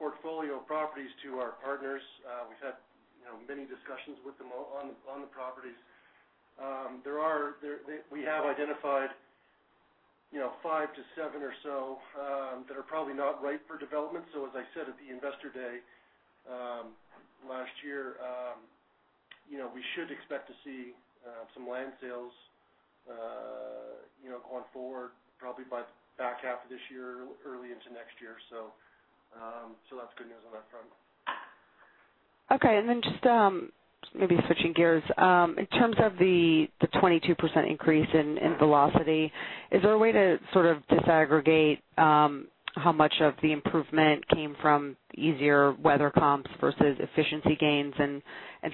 portfolio of properties to our partners. We've had, you know, many discussions with them on the properties. There are... There, they, we have identified, you know, 5-7 or so, that are probably not right for development. So as I said at the Investor Day, last year, you know, we should expect to see, some land sales, you know, going forward, probably by the back half of this year, early into next year. So, so that's good news on that front. Okay, and then just maybe switching gears. In terms of the 22% increase in velocity, is there a way to sort of disaggregate how much of the improvement came from easier weather comps versus efficiency gains? And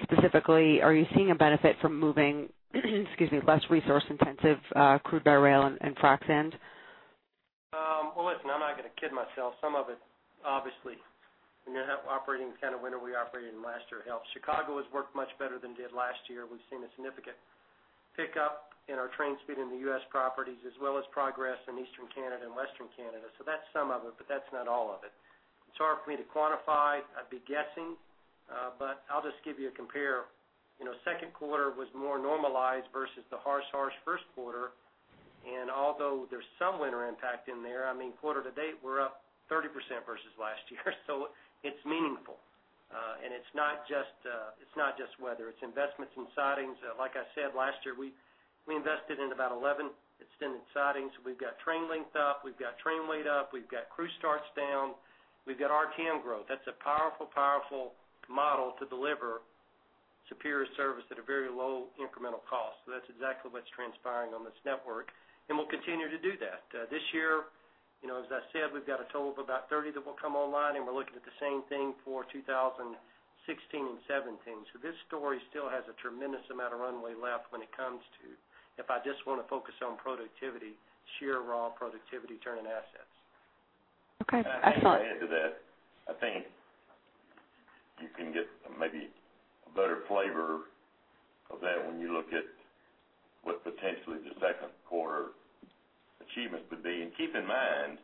specifically, are you seeing a benefit from moving, excuse me, less resource-intensive crude by rail and proppant? Well, listen, I'm not gonna kid myself. Some of it, obviously, you know, operating the kind of winter we operated in last year helped. Chicago has worked much better than it did last year. We've seen a significant pickup in our train speed in the U.S. properties, as well as progress in Eastern Canada and Western Canada. So that's some of it, but that's not all of it. It's hard for me to quantify. I'd be guessing, but I'll just give you a compare. You know, second quarter was more normalized versus the harsh, harsh first quarter. And although there's some winter impact in there, I mean, quarter to date, we're up 30% versus last year. So it's meaningful. And it's not just weather. It's investments in sidings. Like I said, last year, we invested in about 11 extended sidings. We've got train length up, we've got train weight up, we've got crew starts down, we've got RTM growth. That's a powerful, powerful model to deliver superior service at a very low incremental cost. So that's exactly what's transpiring on this network, and we'll continue to do that. This year, you know, as I said, we've got a total of about 30 that will come online, and we're looking at the same thing for 2016 and 2017. So this story still has a tremendous amount of runway left when it comes to if I just wanna focus on productivity, sheer raw productivity, turning assets. Okay, that's all. I think to add to that, I think you can get maybe a better flavor of that when you look at what potentially the second quarter achievements would be. And keep in mind,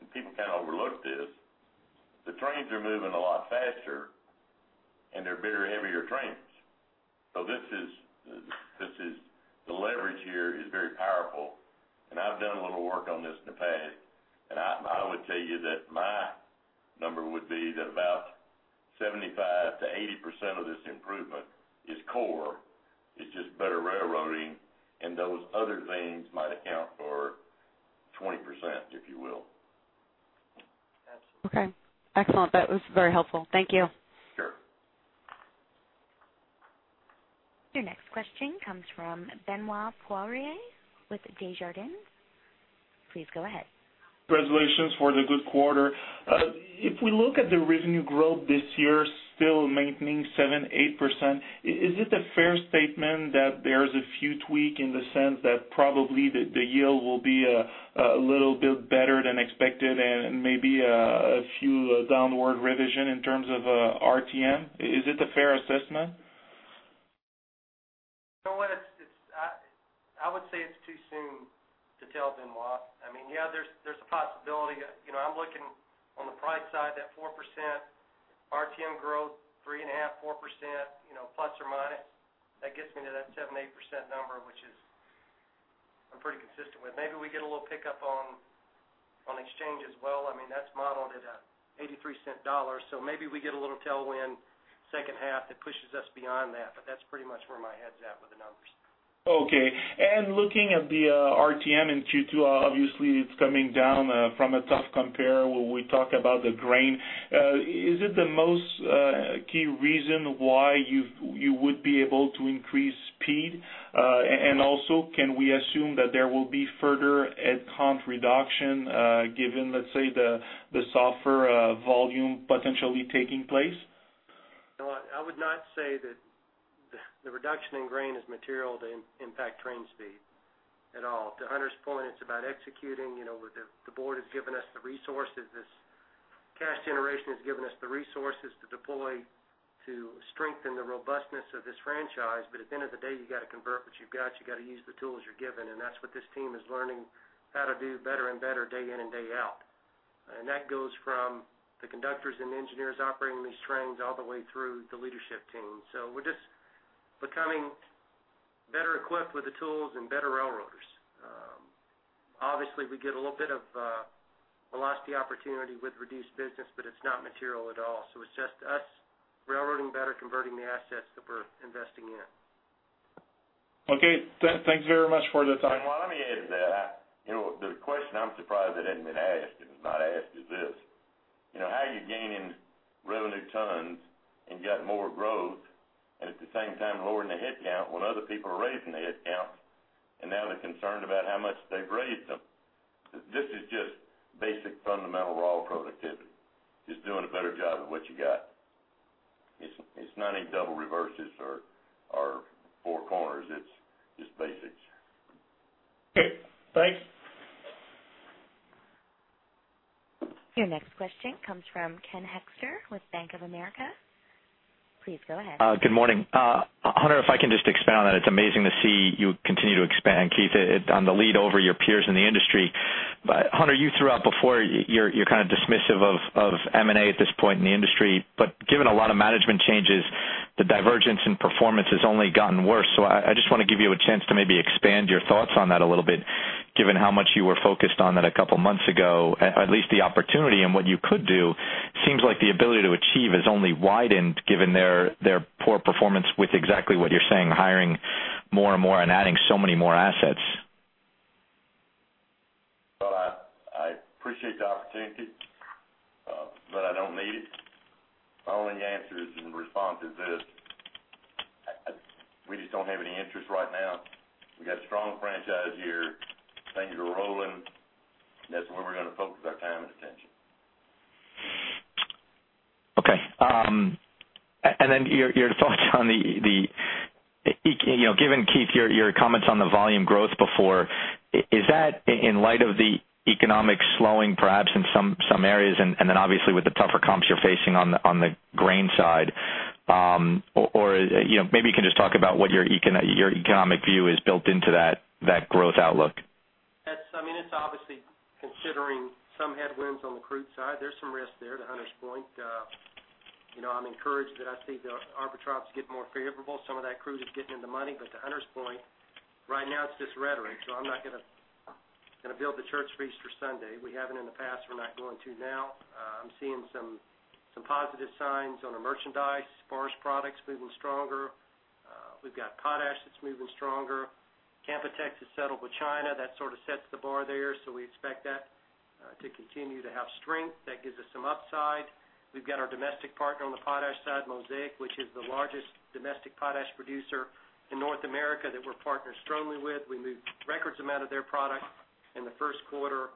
and people kind of overlook this, the trains are moving a lot faster, and they're bigger, heavier trains. So this is. The leverage here is very powerful, and I've done a little work on this in the past, and I would tell you that about 75%-80% of this improvement is core, it's just better railroading, and those other things might account for 20%, if you will. Absolutely. Okay, excellent. That was very helpful. Thank you. Sure. Your next question comes from Benoit Poirier with Desjardins. Please go ahead. Congratulations for the good quarter. If we look at the revenue growth this year, still maintaining 7%-8%, is it a fair statement that there is a few tweak in the sense that probably the yield will be a little bit better than expected and maybe a few downward revision in terms of RTM? Is it a fair assessment? You know what? It's, I would say it's too soon to tell, Benoit. I mean, yeah, there's a possibility. You know, I'm looking on the price side, that 4% RTM growth, 3.5%-4%, you know, plus or minus. That gets me to that 7%-8% number, which I'm pretty consistent with. Maybe we get a little pickup on exchange as well. I mean, that's modeled at an $0.83, so maybe we get a little tailwind second half that pushes us beyond that. But that's pretty much where my head's at with the numbers. Okay. Looking at the RTM in Q2, obviously, it's coming down from a tough compare, where we talk about the grain. Is it the most key reason why you would be able to increase speed? Also, can we assume that there will be further headcount reduction, given, let's say, the softer volume potentially taking place? No, I would not say that the reduction in grain is material to impact train speed at all. To Hunter's point, it's about executing. You know, with the board has given us the resources, this cash generation has given us the resources to deploy, to strengthen the robustness of this franchise. But at the end of the day, you got to convert what you've got. You got to use the tools you're given, and that's what this team is learning how to do better and better, day in and day out. And that goes from the conductors and engineers operating these trains all the way through the leadership team. So we're just becoming better equipped with the tools and better railroaders. Obviously, we get a little bit of velocity opportunity with reduced business, but it's not material at all. It's just us railroading better, converting the assets that we're investing in. Okay. Thanks very much for the time. Benoit, let me add to that. You know, the question I'm surprised that hasn't been asked, and it's not asked, is this: You know, how are you gaining revenue tons and getting more growth, and at the same time lowering the headcount when other people are raising the headcount, and now they're concerned about how much they've raised them? This is just basic, fundamental raw productivity. Just doing a better job with what you got. It's not any double reverses or four corners. It's just basics. Okay, thanks. Your next question comes from Ken Hoexter with Bank of America. Please go ahead. Good morning. Hunter, if I can just expound on that, it's amazing to see you continue to expand, Keith, on the lead over your peers in the industry. But Hunter, you threw out before, you're, you're kind of dismissive of, of M&A at this point in the industry. But given a lot of management changes, the divergence in performance has only gotten worse. So I, I just want to give you a chance to maybe expand your thoughts on that a little bit, given how much you were focused on that a couple months ago, at, at least the opportunity and what you could do. Seems like the ability to achieve has only widened, given their, their poor performance with exactly what you're saying, hiring more and more and adding so many more assets. Well, I appreciate the opportunity, but I don't need it. My only answer is in response to this: We just don't have any interest right now. We've got a strong franchise here, things are rolling, and that's where we're going to focus our time and attention. Okay, and then your thoughts on the economic, you know, given, Keith, your comments on the volume growth before, is that in light of the economic slowing, perhaps in some areas, and then obviously with the tougher comps you're facing on the grain side? Or, you know, maybe you can just talk about what your economic view is built into that growth outlook. That's... I mean, it's obviously considering some headwinds on the crude side. There's some risk there, to Hunter's point. You know, I'm encouraged that I see the arbitrages get more favorable. Some of that crude is getting in the money, but to Hunter's point, right now it's just rhetoric, so I'm not gonna build the church for Easter Sunday. We haven't in the past, we're not going to now. I'm seeing some positive signs on our merchandise. Forest Products moving stronger. We've got potash that's moving stronger. Canpotex has settled with China. That sort of sets the bar there, so we expect that to continue to have strength. That gives us some upside. We've got our domestic partner on the potash side, Mosaic, which is the largest domestic potash producer in North America that we're partnered strongly with. We moved record amounts of their product in the first quarter.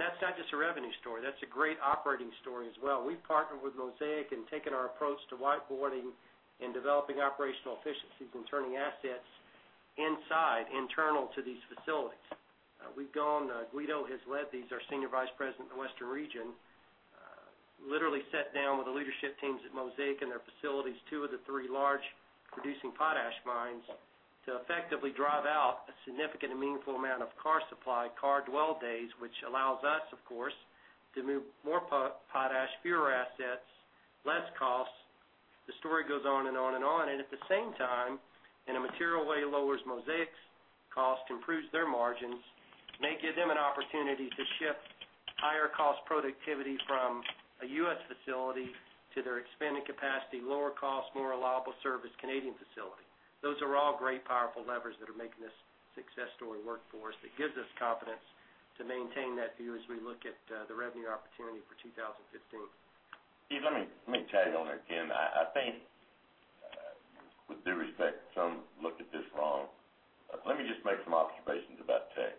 That's not just a revenue story, that's a great operating story as well. We've partnered with Mosaic and taken our approach to whiteboarding and developing operational efficiencies and turning assets inside, internal to these facilities. We've gone, Guido has led these, our Senior Vice President in the Western region, literally sat down with the leadership teams at Mosaic and their facilities, two of the three large producing potash mines, to effectively drive out a significant and meaningful amount of car supply, car dwell days, which allows us, of course, to move more potash, fewer assets, less costs. The story goes on and on and on, and at the same time, in a material way, lowers Mosaic's cost, improves their margins, may give them an opportunity to shift higher cost productivity from a U.S. facility to their expanding capacity, lower cost, more reliable service Canadian facility. Those are all great, powerful levers that are making this success story work for us. It gives us confidence to maintain that view as we look at the revenue opportunity for 2015. Steve, let me tag on there. Again, I think, with due respect, some look at this wrong. Let me just make some observations about Teck.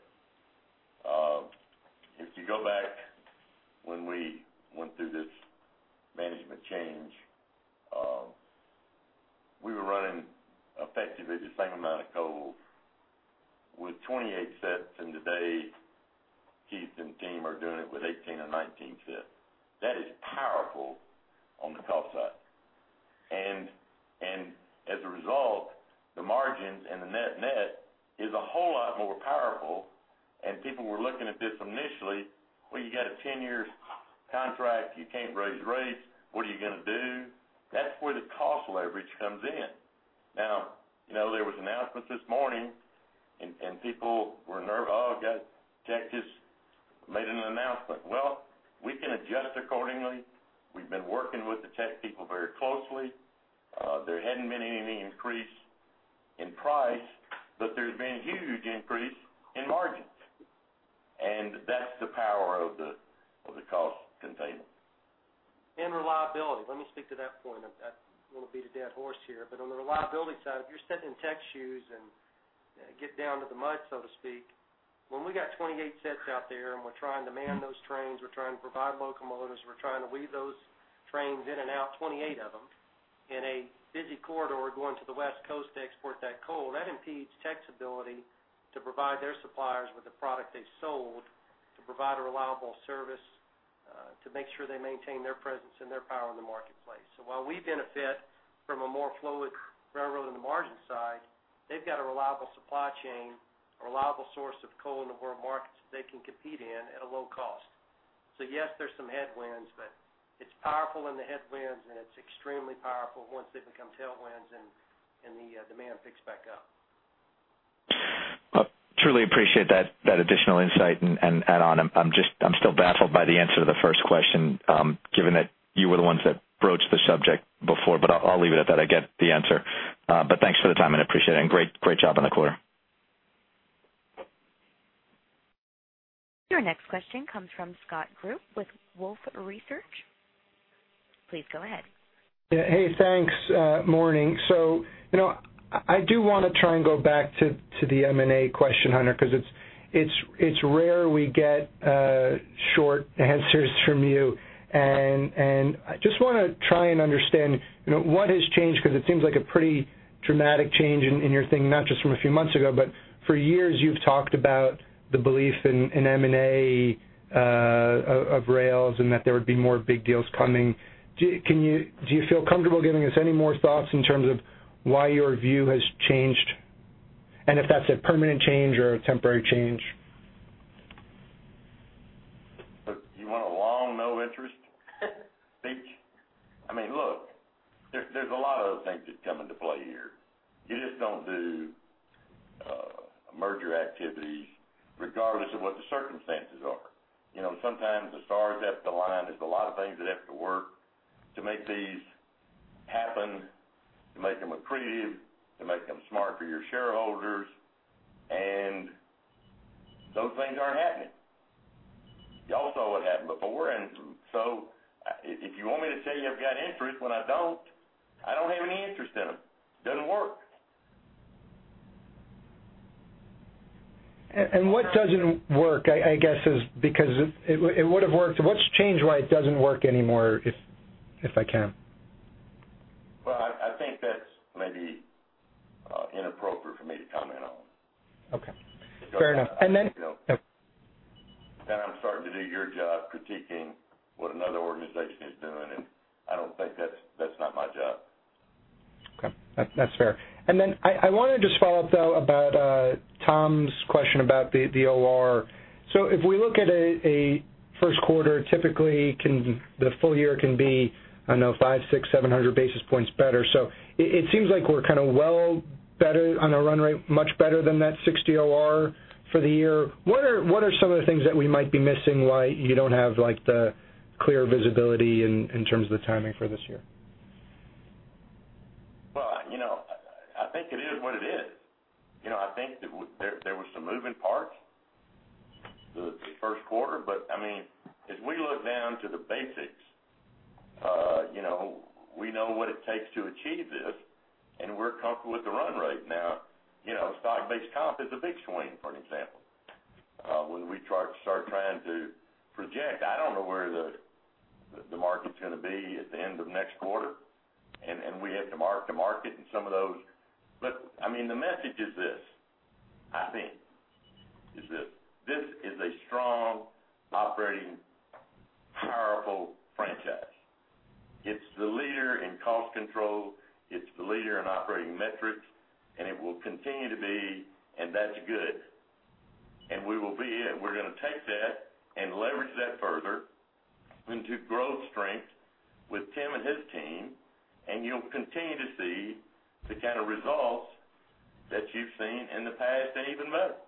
If you go back when we went through this management change, we were running effectively the same amount of coal with 28 sets, and today, Keith and team are doing it with 18 and 19 sets. That is powerful on the cost side. And, as a result, the margins and the net net is a whole lot more powerful, and people were looking at this initially, well, you got a 10-year contract, you can't raise rates. What are you gonna do? That's where the cost leverage comes in. Now, you know, there was announcements this morning, and people were nervous-- "Oh, God, Teck just made an announcement." Well, we can adjust accordingly. We've been working with the Teck people very closely. There hadn't been any increase in price, but there's been huge increase in margins, and that's the power of the cost containment. Reliability. Let me speak to that point. I don't want to beat a dead horse here, but on the reliability side, if you're sitting in Teck shoes and get down to the mud, so to speak, when we got 28 sets out there, and we're trying to man those trains, we're trying to provide locomotives, we're trying to weave those trains in and out, 28 of them, in a busy corridor going to the West Coast to export that coal, that impedes Teck's ability to provide their suppliers with the product they've sold, to provide a reliable service, to make sure they maintain their presence and their power in the marketplace. So while we benefit from a more fluid railroad on the margin side, they've got a reliable supply chain, a reliable source of coal in the world markets they can compete in at a low cost. So yes, there's some headwinds, but it's powerful in the headwinds, and it's extremely powerful once they become tailwinds and the demand picks back up. Well, I truly appreciate that additional insight and add on. I'm just- I'm still baffled by the answer to the first question, given that you were the ones that broached the subject before, but I'll leave it at that. I get the answer. But thanks for the time, and I appreciate it, and great job on the quarter. Your next question comes from Scott Group with Wolfe Research. Please go ahead. Yeah. Hey, thanks, morning. So, you know, I do wanna try and go back to the M&A question, Hunter, 'cause it's rare we get short answers from you. And I just wanna try and understand, you know, what has changed, 'cause it seems like a pretty dramatic change in your thing, not just from a few months ago, but for years you've talked about the belief in M&A of rails and that there would be more big deals coming. Do you feel comfortable giving us any more thoughts in terms of why your view has changed? And if that's a permanent change or a temporary change. You want a long, no interest speech? I mean, look, there's a lot of other things that come into play here. You just don't do merger activities regardless of what the circumstances are. You know, sometimes the stars have to align. There's a lot of things that have to work to make these happen, to make them accretive, to make them smart for your shareholders, and those things aren't happening. Y'all saw what happened before, and so if you want me to tell you I've got interest when I don't, I don't have any interest in them. Doesn't work. What doesn't work? I guess is because it would've worked. What's changed, why it doesn't work anymore, if I can? Well, I think that's maybe inappropriate for me to comment on. Okay. Fair enough. And, you know- And then, yep. Then I'm starting to do your job, critiquing what another organization is doing, and I don't think that's not my job. Okay, that's, that's fair. And then I wanna just follow up, though, about Tom's question about the OR. So if we look at a first quarter, typically, the full year can be, I don't know, 500, 600, 700 basis points better. So it seems like we're kind of well better on a run rate, much better than that 60% OR for the year. What are some of the things that we might be missing, why you don't have, like, the clear visibility in terms of the timing for this year? Well, you know, I think it is what it is. You know, I think that there were some moving parts the first quarter, but, I mean, as we look down to the basics, you know, we know what it takes to achieve this, and we're comfortable with the run rate. Now, you know, stock-based comp is a big swing, for an example. When we try to start trying to project, I don't know where the market's gonna be at the end of next quarter, and we have to mark-to-market in some of those. But, I mean, the message is this, I think, is this: This is a strong, operating, powerful franchise. It's the leader in cost control, it's the leader in operating metrics, and it will continue to be, and that's good. And we will be at, we're gonna take that and leverage that further into growth strength with Tim and his team, and you'll continue to see the kind of results that you've seen in the past and even better.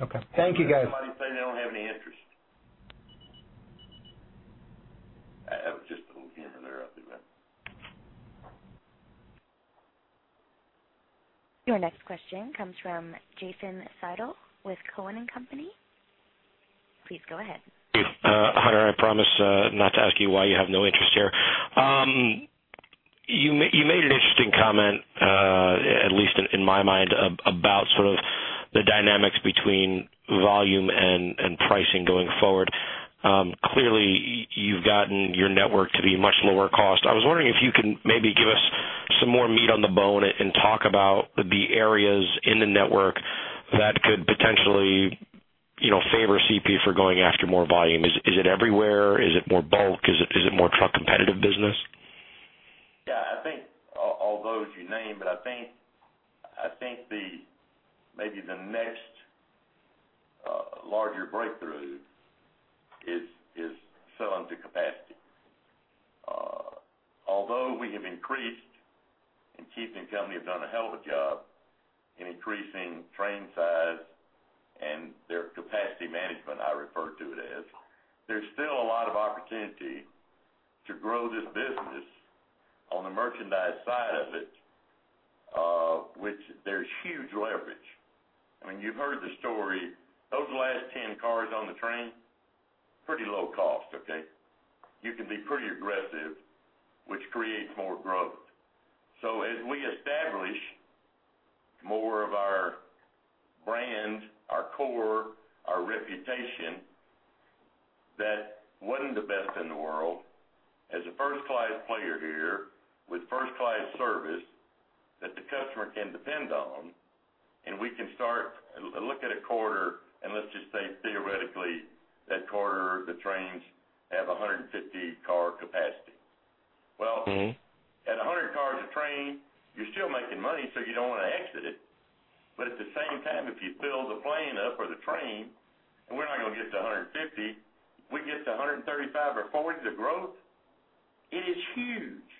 Okay. Thank you, guys. Somebody saying they don't have any interest. I, I was just a little hearing interrupted there. Your next question comes from Jason Seidl with Cowen and Company. Please go ahead. Hunter, I promise not to ask you why you have no interest here. You made an interesting comment, at least in my mind, about sort of the dynamics between volume and pricing going forward. Clearly, you've gotten your network to be much lower cost. I was wondering if you can maybe give us some more meat on the bone and talk about the areas in the network that could potentially, you know, favor CP for going after more volume. Is it everywhere? Is it more bulk? Is it more truck competitive business? Yeah, I think all those you named, but I think maybe the next larger breakthrough is selling to capacity. Although we have increased, and Keith and company have done a hell of a job in increasing train size and their capacity management, I refer to it as, there's still a lot of opportunity to grow this business on the merchandise side of it, which there's huge leverage. I mean, you've heard the story, those last 10 cars on the train, pretty low cost, okay? You can be pretty aggressive, which creates more growth. So as we establish more of our brand, our core, our reputation, that wasn't the best in the world, as a first-class player here, with first-class service that the customer can depend on, and we can start... Look at a quarter, and let's just say, theoretically, that quarter, the trains have 150-car capacity. Well- At 100 cars a train, you're still making money, so you don't want to exit it. But at the same time, if you fill the plane up or the train, and we're not gonna get to 150, we get to 135 or 140, the growth, it is huge.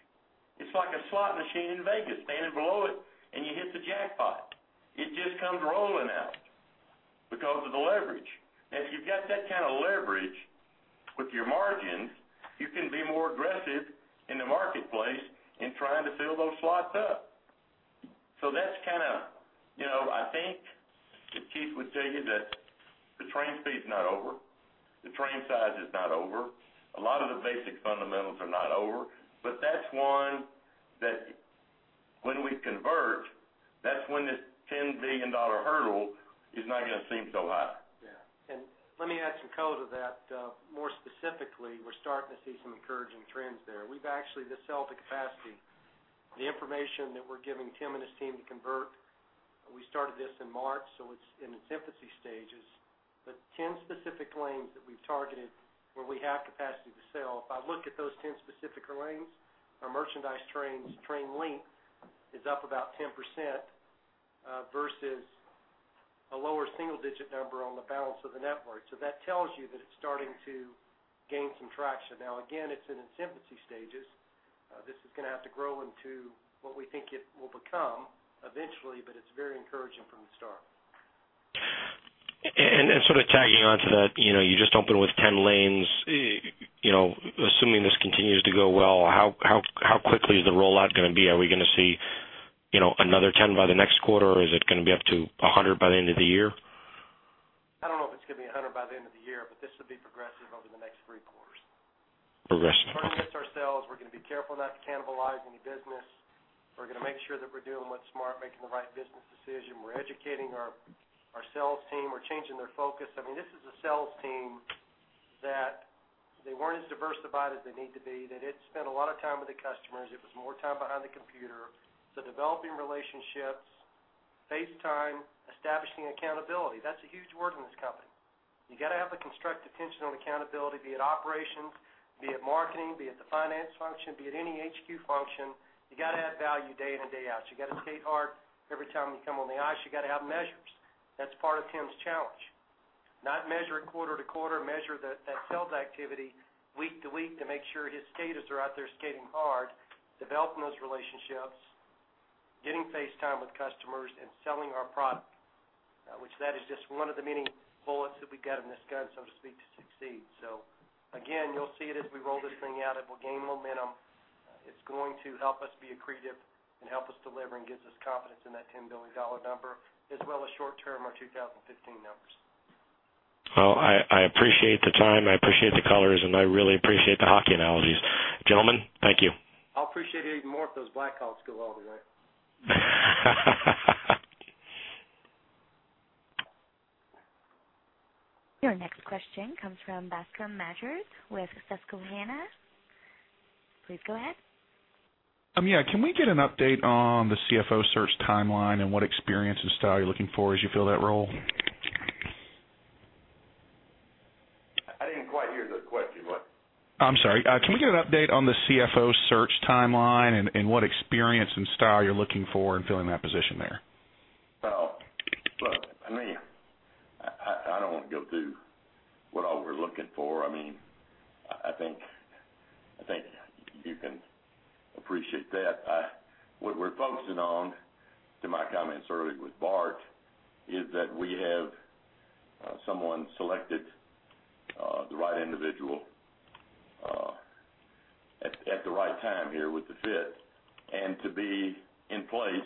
It's like a slot machine in Vegas, standing below it, and you hit the jackpot. It just comes rolling out because of the leverage. And if you've got that kind of leverage with your margins, you can be more aggressive in the marketplace in trying to fill those slots up. So that's kind of, you know, I think that Keith would tell you that the train speed's not over, the train size is not over. A lot of the basic fundamentals are not over, but that's one that when we convert, that's when this $10 billion hurdle is not gonna seem so high. Yeah. And let me add some color to that. More specifically, we're starting to see some encouraging trends there. We've actually, the sell to capacity, the information that we're giving Tim and his team to convert, we started this in March, so it's in its infancy stages. But 10 specific lanes that we've targeted where we have capacity to sell, if I look at those 10 specific lanes, our merchandise trains, train length is up about 10%, versus a lower single-digit number on the balance of the network. So that tells you that it's starting to gain some traction. Now, again, it's in its infancy stages. This is gonna have to grow into what we think it will become eventually, but it's very encouraging from the start. Sort of tagging on to that, you know, you just opened with 10 lanes, you know, assuming this continues to go well, how quickly is the rollout gonna be? Are we gonna see, you know, another 10 by the next quarter, or is it gonna be up to 100 by the end of the year? I don't know if it's gonna be 100 by the end of the year, but this will be progressive over the next three quarters. Progressive. We're gonna get ourselves, we're gonna be careful not to cannibalize any business. We're gonna make sure that we're doing what's smart, making the right business decision. We're educating our, our sales team. We're changing their focus. I mean, this is a sales team that they weren't as diversified as they need to be. They didn't spend a lot of time with the customers. It was more time behind the computer. So developing relationships, face time, establishing accountability, that's a huge word in this company. You got to have the constructive tension on accountability, be it operations, be it marketing, be it the finance function, be it any HQ function, you got to add value day in and day out. You got to skate hard every time you come on the ice, you got to have measures. That's part of Tim's challenge. Don't measure quarter to quarter, measure that sales activity week to week to make sure his skaters are out there skating hard, developing those relationships, getting face time with customers, and selling our product. Which that is just one of the many bullets that we got in this gun, so to speak, to succeed. So again, you'll see it as we roll this thing out. It will gain momentum. It's going to help us be accretive and help us deliver and gives us confidence in that $10 billion number, as well as short-term, our 2015 numbers. Well, I appreciate the time, I appreciate the colors, and I really appreciate the hockey analogies. Gentlemen, thank you. I'll appreciate it even more if those Blackhawks go all the way. Your next question comes from Bascome Majors with Susquehanna. Please go ahead. Yeah, can we get an update on the CFO search timeline and what experience and style you're looking for as you fill that role? I can't quite hear the question, what? I'm sorry. Can we get an update on the CFO search timeline and, and what experience and style you're looking for in filling that position there? Well, look, I mean, I don't want to go through what all we're looking for. I mean, I think you can appreciate that. I—what we're focusing on, to my comments earlier with Bart, is that we have someone selected, the right individual, at the right time here with the fit and to be in place,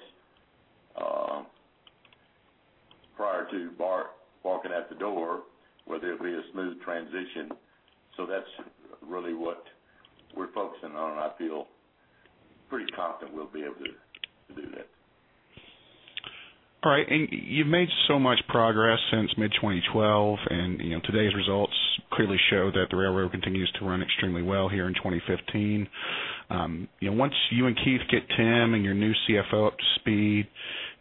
prior to Bart walking out the door, where there'll be a smooth transition. So that's really what we're focusing on, and I feel pretty confident we'll be able to do that. All right. You've made so much progress since mid-2012, and, you know, today's results clearly show that the railroad continues to run extremely well here in 2015. You know, once you and Keith get Tim and your new CFO up to speed,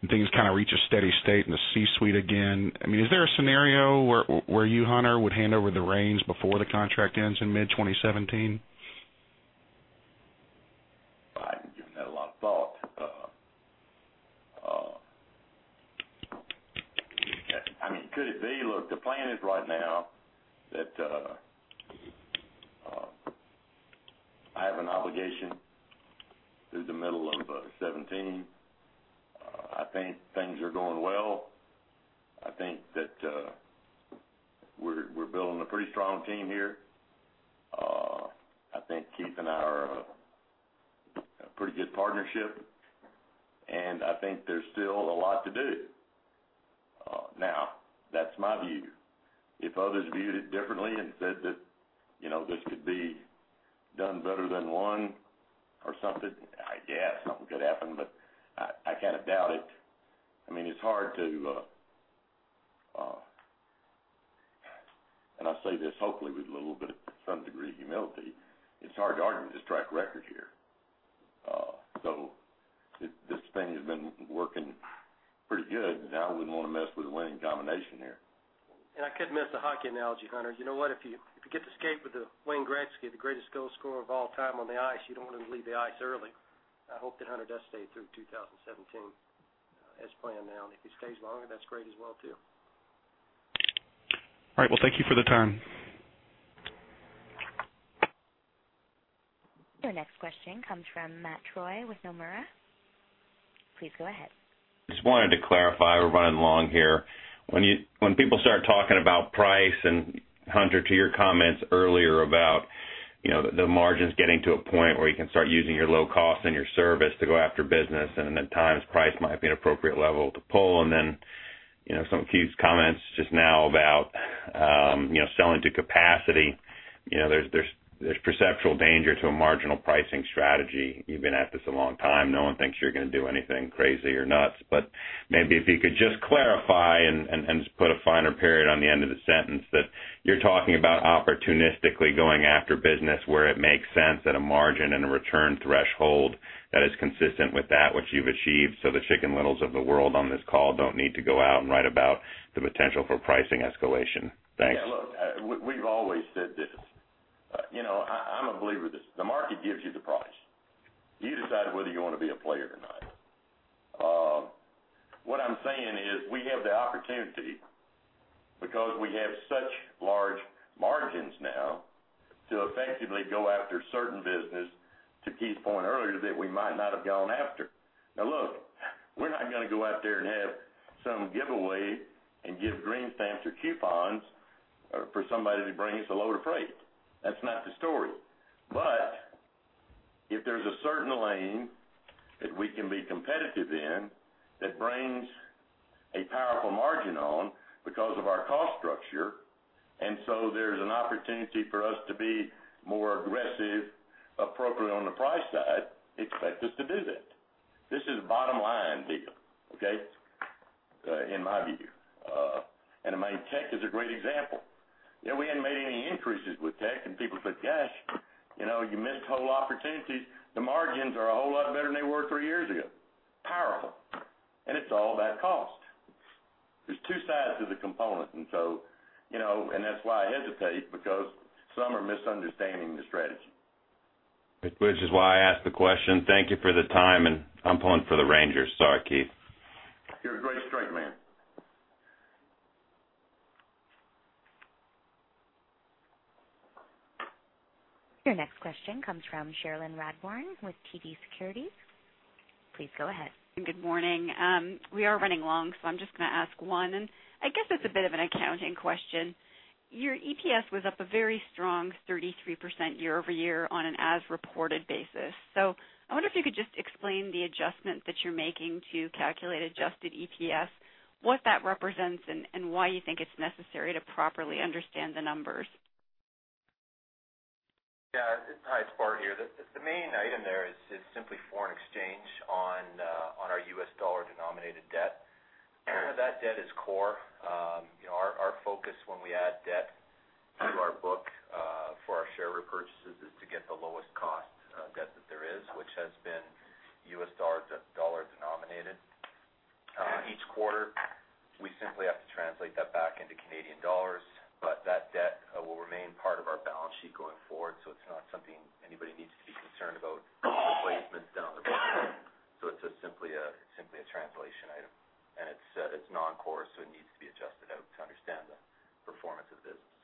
and things kind of reach a steady state in the C-suite again, I mean, is there a scenario where you, Hunter, would hand over the reins before the contract ends in mid-2017? I've given that a lot of thought. I mean, could it be? Look, the plan is right now that I have an obligation through the middle of 2017. I think things are going well. I think that we're building a pretty strong team here. I think Keith and I are a pretty good partnership, and I think there's still a lot to do. Now, that's my view. If others viewed it differently and said that, you know, this could be done better than one or something, I guess something could happen, but I kind of doubt it. I mean, it's hard to... I say this hopefully with a little bit of some degree of humility, it's hard to argue with this track record here. So this, this thing has been working pretty good, and I wouldn't want to mess with a winning combination here. I couldn't miss the hockey analogy, Hunter. You know what? If you get to skate with the Wayne Gretzky, the greatest goal scorer of all time on the ice, you don't want him to leave the ice early. I hope that Hunter does stay through 2017 as planned now, and if he stays longer, that's great as well, too. All right. Well, thank you for the time. Your next question comes from Matt Troy with Nomura. Please go ahead. Just wanted to clarify, we're running long here. When people start talking about price, and Hunter, to your comments earlier about, you know, the margins getting to a point where you can start using your low cost and your service to go after business, and then at times, price might be an appropriate level to pull. And then, you know, some of Keith's comments just now about, you know, selling to capacity, you know, there's perceptual danger to a marginal pricing strategy. You've been at this a long time. No one thinks you're going to do anything crazy or nuts. But maybe if you could just clarify and just put a finer period on the end of the sentence that you're talking about opportunistically going after business where it makes sense at a margin and a return threshold that is consistent with that which you've achieved, so the Chicken Littles of the world on this call don't need to go out and write about the potential for pricing escalation. Thanks. Yeah, look, we, we've always said this. You know, I, I'm a believer this, the market gives you the price. You decide whether you want to be a player or not. What I'm saying is, we have the opportunity, because we have such large margins now, to effectively go after certain business, to Keith's point earlier, that we might not have gone after. Now, look, we're not going to go out there and have some giveaway and give Green Stamps or coupons, for somebody to bring us a load of freight. That's not the story. But if there's a certain lane that we can be competitive in, that brings a powerful margin on because of our cost structure, and so there's an opportunity for us to be more aggressive, appropriately on the price side, expect us to do that. This is a bottom line deal, okay? In my view. And I mean, Teck is a great example. You know, we hadn't made any increases with Teck, and people said, "Gosh, you know, you missed whole opportunities." The margins are a whole lot better than they were three years ago. Powerful. And it's all about cost. There's two sides to the component, and so, you know, and that's why I hesitate, because some are misunderstanding the strategy. Which is why I asked the question. Thank you for the time, and I'm pulling for the Rangers. Sorry, Keith. You're a great straight man. Your next question comes from Cherilyn Radbourne with TD Securities. Please go ahead. Good morning. We are running long, so I'm just going to ask one, and I guess it's a bit of an accounting question. Your EPS was up a very strong 33% year-over-year on an as-reported basis. So I wonder if you could just explain the adjustment that you're making to calculate adjusted EPS, what that represents, and, and why you think it's necessary to properly understand the numbers. Yeah. Hi, it's Bart here. The main item there is simply foreign exchange on our U.S. dollar-denominated debt. That debt is core. You know, our focus when we add debt to our book for our share repurchases is to get the lowest cost debt that there is, which has been U.S. dollar-denominated. Each quarter, we simply have to translate that back into Canadian dollars, but that debt will remain part of our balance sheet going forward. So it's not something anybody needs to be concerned about. So it's just simply a translation item, and it's non-core, so it needs to be adjusted out to understand the performance of the business.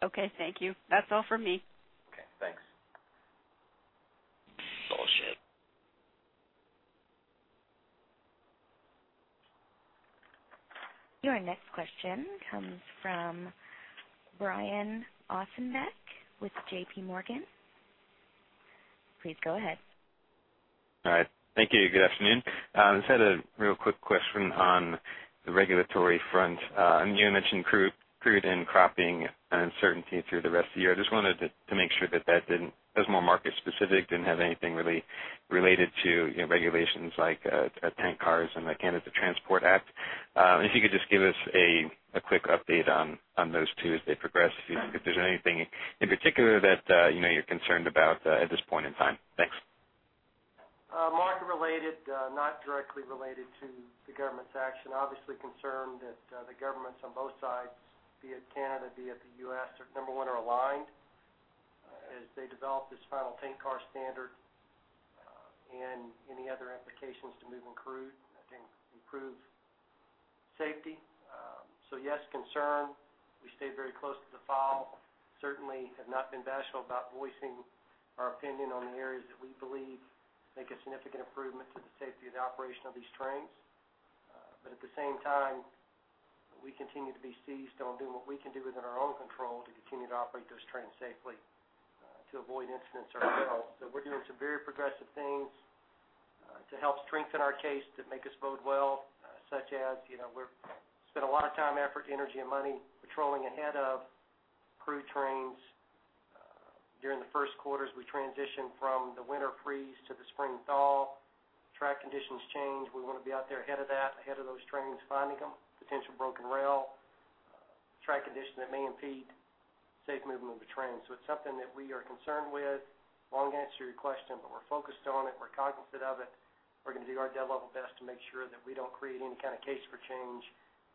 Okay. Thank you. That's all for me. Okay, thanks. Your next question comes from Brian Ossenbeck with J.P. Morgan. Please go ahead. All right. Thank you. Good afternoon. Just had a real quick question on the regulatory front. And you had mentioned crude, crude and proppant uncertainty through the rest of the year. I just wanted to make sure that that didn't, that was more market specific, didn't have anything really related to, you know, regulations like tank cars and the Canada Transportation Act. And if you could just give us a quick update on those two as they progress, if there's anything in particular that, you know, you're concerned about at this point in time. Thanks. Market related, not directly related to the government's action. Obviously concerned that the governments on both sides, be it Canada, be it the U.S., are number one, are aligned as they develop this final tank car standard and any other implications to moving crude, I think improve safety. So yes, concerned, we stay very close to the file. Certainly have not been bashful about voicing our opinion on the areas that we believe make a significant improvement to the safety of the operation of these trains. But at the same time, we continue to be seized on doing what we can do within our own control to continue to operate those trains safely to avoid incidents or well. So we're doing some very progressive things to help strengthen our case, to make us bode well, such as, you know, we're spent a lot of time, effort, energy, and money patrolling ahead of crew trains. During the first quarters, we transition from the winter freeze to the spring thaw. Track conditions change. We want to be out there ahead of that, ahead of those trains, finding them, potential broken rail, track condition that may impede safe movement of the train. So it's something that we are concerned with. Long answer to your question, but we're focused on it. We're cognizant of it. We're gonna do our devil best to make sure that we don't create any kind of case for change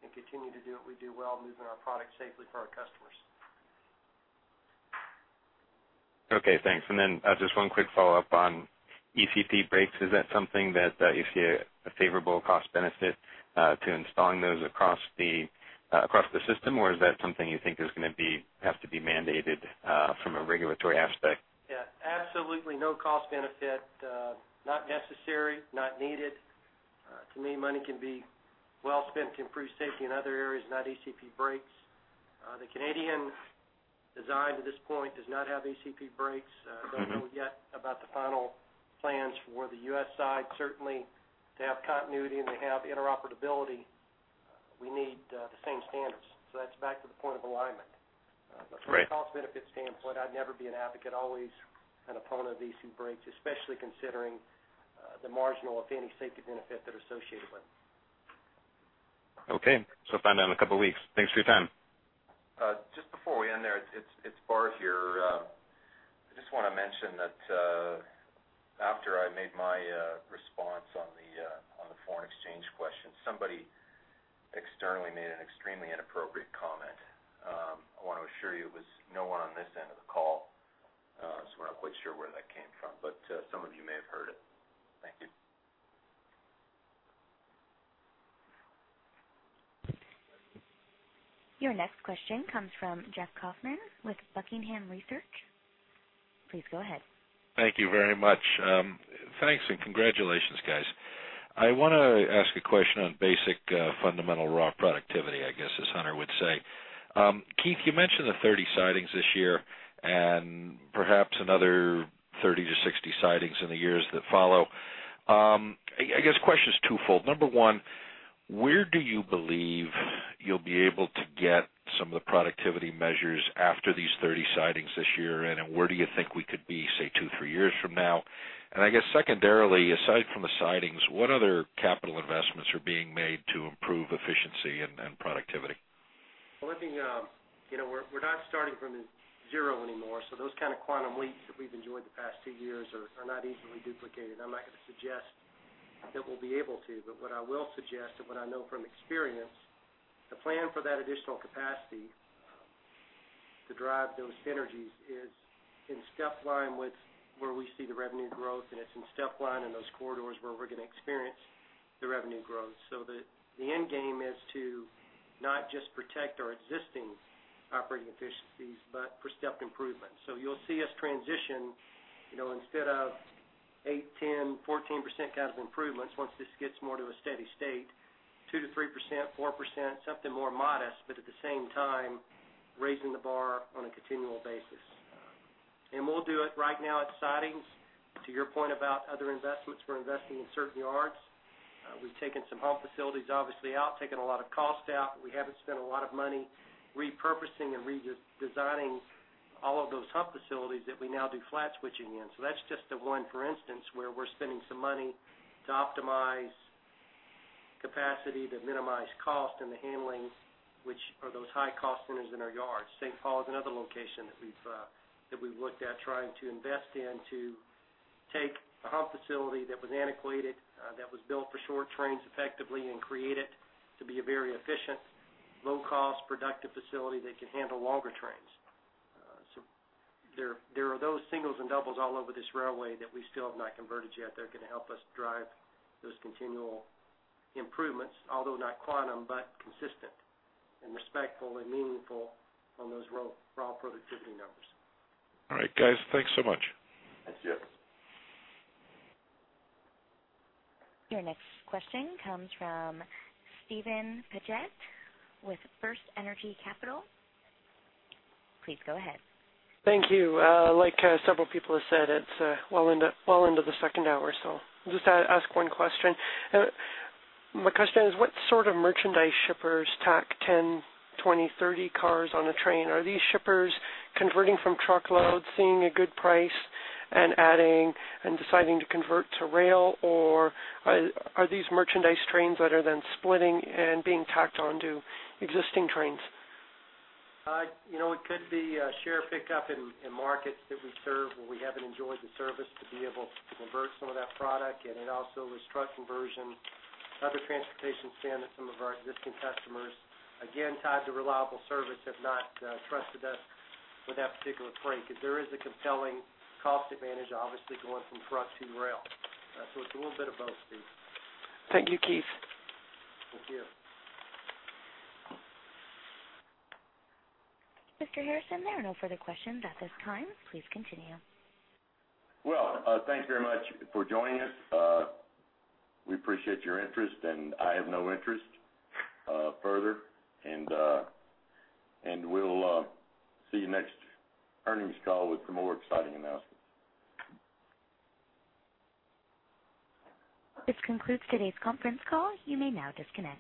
and continue to do what we do well, moving our products safely for our customers. Okay, thanks. Then, just one quick follow-up on ECP brakes. Is that something that you see a favorable cost benefit to installing those across the system? Or is that something you think is gonna be have to be mandated from a regulatory aspect? Yeah, absolutely no cost benefit. Not necessary, not needed. To me, money can be well spent to improve safety in other areas, not ECP brakes. The Canadian design to this point does not have ECP brakes. Don't know yet about the final plans for the U.S. side. Certainly, to have continuity and to have interoperability, we need the same standards. So that's back to the point of alignment. Right. But from a cost-benefit standpoint, I'd never be an advocate, always an opponent of ECP brakes, especially considering the marginal, if any, safety benefit that are associated with it. Okay. So find out in a couple of weeks. Thanks for your time. Just before we end there, it's Bart here. I just wanna mention that after I made my response on the foreign exchange question, somebody externally made an extremely inappropriate comment. I want to assure you it was no one on this end of the call. So we're not quite sure where that came from, but some of you may have heard it. Thank you. Your next question comes from Jeff Kauffman with Buckingham Research. Please go ahead. Thank you very much. Thanks, and congratulations, guys. I wanna ask a question on basic, fundamental raw productivity, I guess, as Hunter would say. Keith, you mentioned the 30 sidings this year and perhaps another 30-60 sidings in the years that follow. I guess question is twofold. Number one, where do you believe you'll be able to get some of the productivity measures after these 30 sidings this year? And then where do you think we could be, say, 2-3 years from now? And I guess secondarily, aside from the sidings, what other capital investments are being made to improve efficiency and productivity? Well, I think, you know, we're not starting from zero anymore, so those kind of quantum leaps that we've enjoyed the past two years are not easily duplicated. I'm not going to suggest that we'll be able to, but what I will suggest, and what I know from experience, the plan for that additional capacity to drive those synergies is in step line with where we see the revenue growth, and it's in step line in those corridors where we're gonna experience the revenue growth. So the end game is to not just protect our existing operating efficiencies, but for stepped improvement. So you'll see us transition, you know, instead of 8%, 10%, 14% kind of improvements, once this gets more to a steady state, 2%-3%, 4%, something more modest, but at the same time, raising the bar on a continual basis. And we'll do it right now at sidings. To your point about other investments, we're investing in certain yards. We've taken some hub facilities, obviously, out, taken a lot of cost out, but we haven't spent a lot of money repurposing and redesigning all of those hub facilities that we now do flat switching in. So that's just the one, for instance, where we're spending some money to optimize capacity, to minimize cost and the handling... which are those high-cost centers in our yard. St. Paul is another location that we've, that we've looked at trying to invest in, to take a hump facility that was antiquated, that was built for short trains effectively, and create it to be a very efficient, low cost, productive facility that can handle longer trains. So there, there are those singles and doubles all over this railway that we still have not converted yet that are gonna help us drive those continual improvements, although not quantum, but consistent and respectful and meaningful on those OR productivity numbers. All right, guys, thanks so much. Thanks, Jeff. Your next question comes from Steven Paget with FirstEnergy Capital. Please go ahead. Thank you. Like, several people have said, it's well into the second hour, so I'll just ask one question. My question is, what sort of merchandise shippers tack 10, 20, 30 cars on a train? Are these shippers converting from truckload, seeing a good price and adding and deciding to convert to rail, or are these merchandise trains that are then splitting and being tacked onto existing trains? You know, it could be share pickup in markets that we serve, where we haven't enjoyed the service to be able to convert some of that product. And it also is truck conversion, other transportation standards, some of our existing customers, again, tied to reliable service, have not trusted us with that particular freight. Because there is a compelling cost advantage, obviously, going from truck to rail. So it's a little bit of both, Steve. Thank you, Keith. Thank you. Mr. Harrison, there are no further questions at this time. Please continue. Well, thank you very much for joining us. We appreciate your interest, and I have no interest further. And we'll see you next earnings call with some more exciting announcements. This concludes today's conference call. You may now disconnect.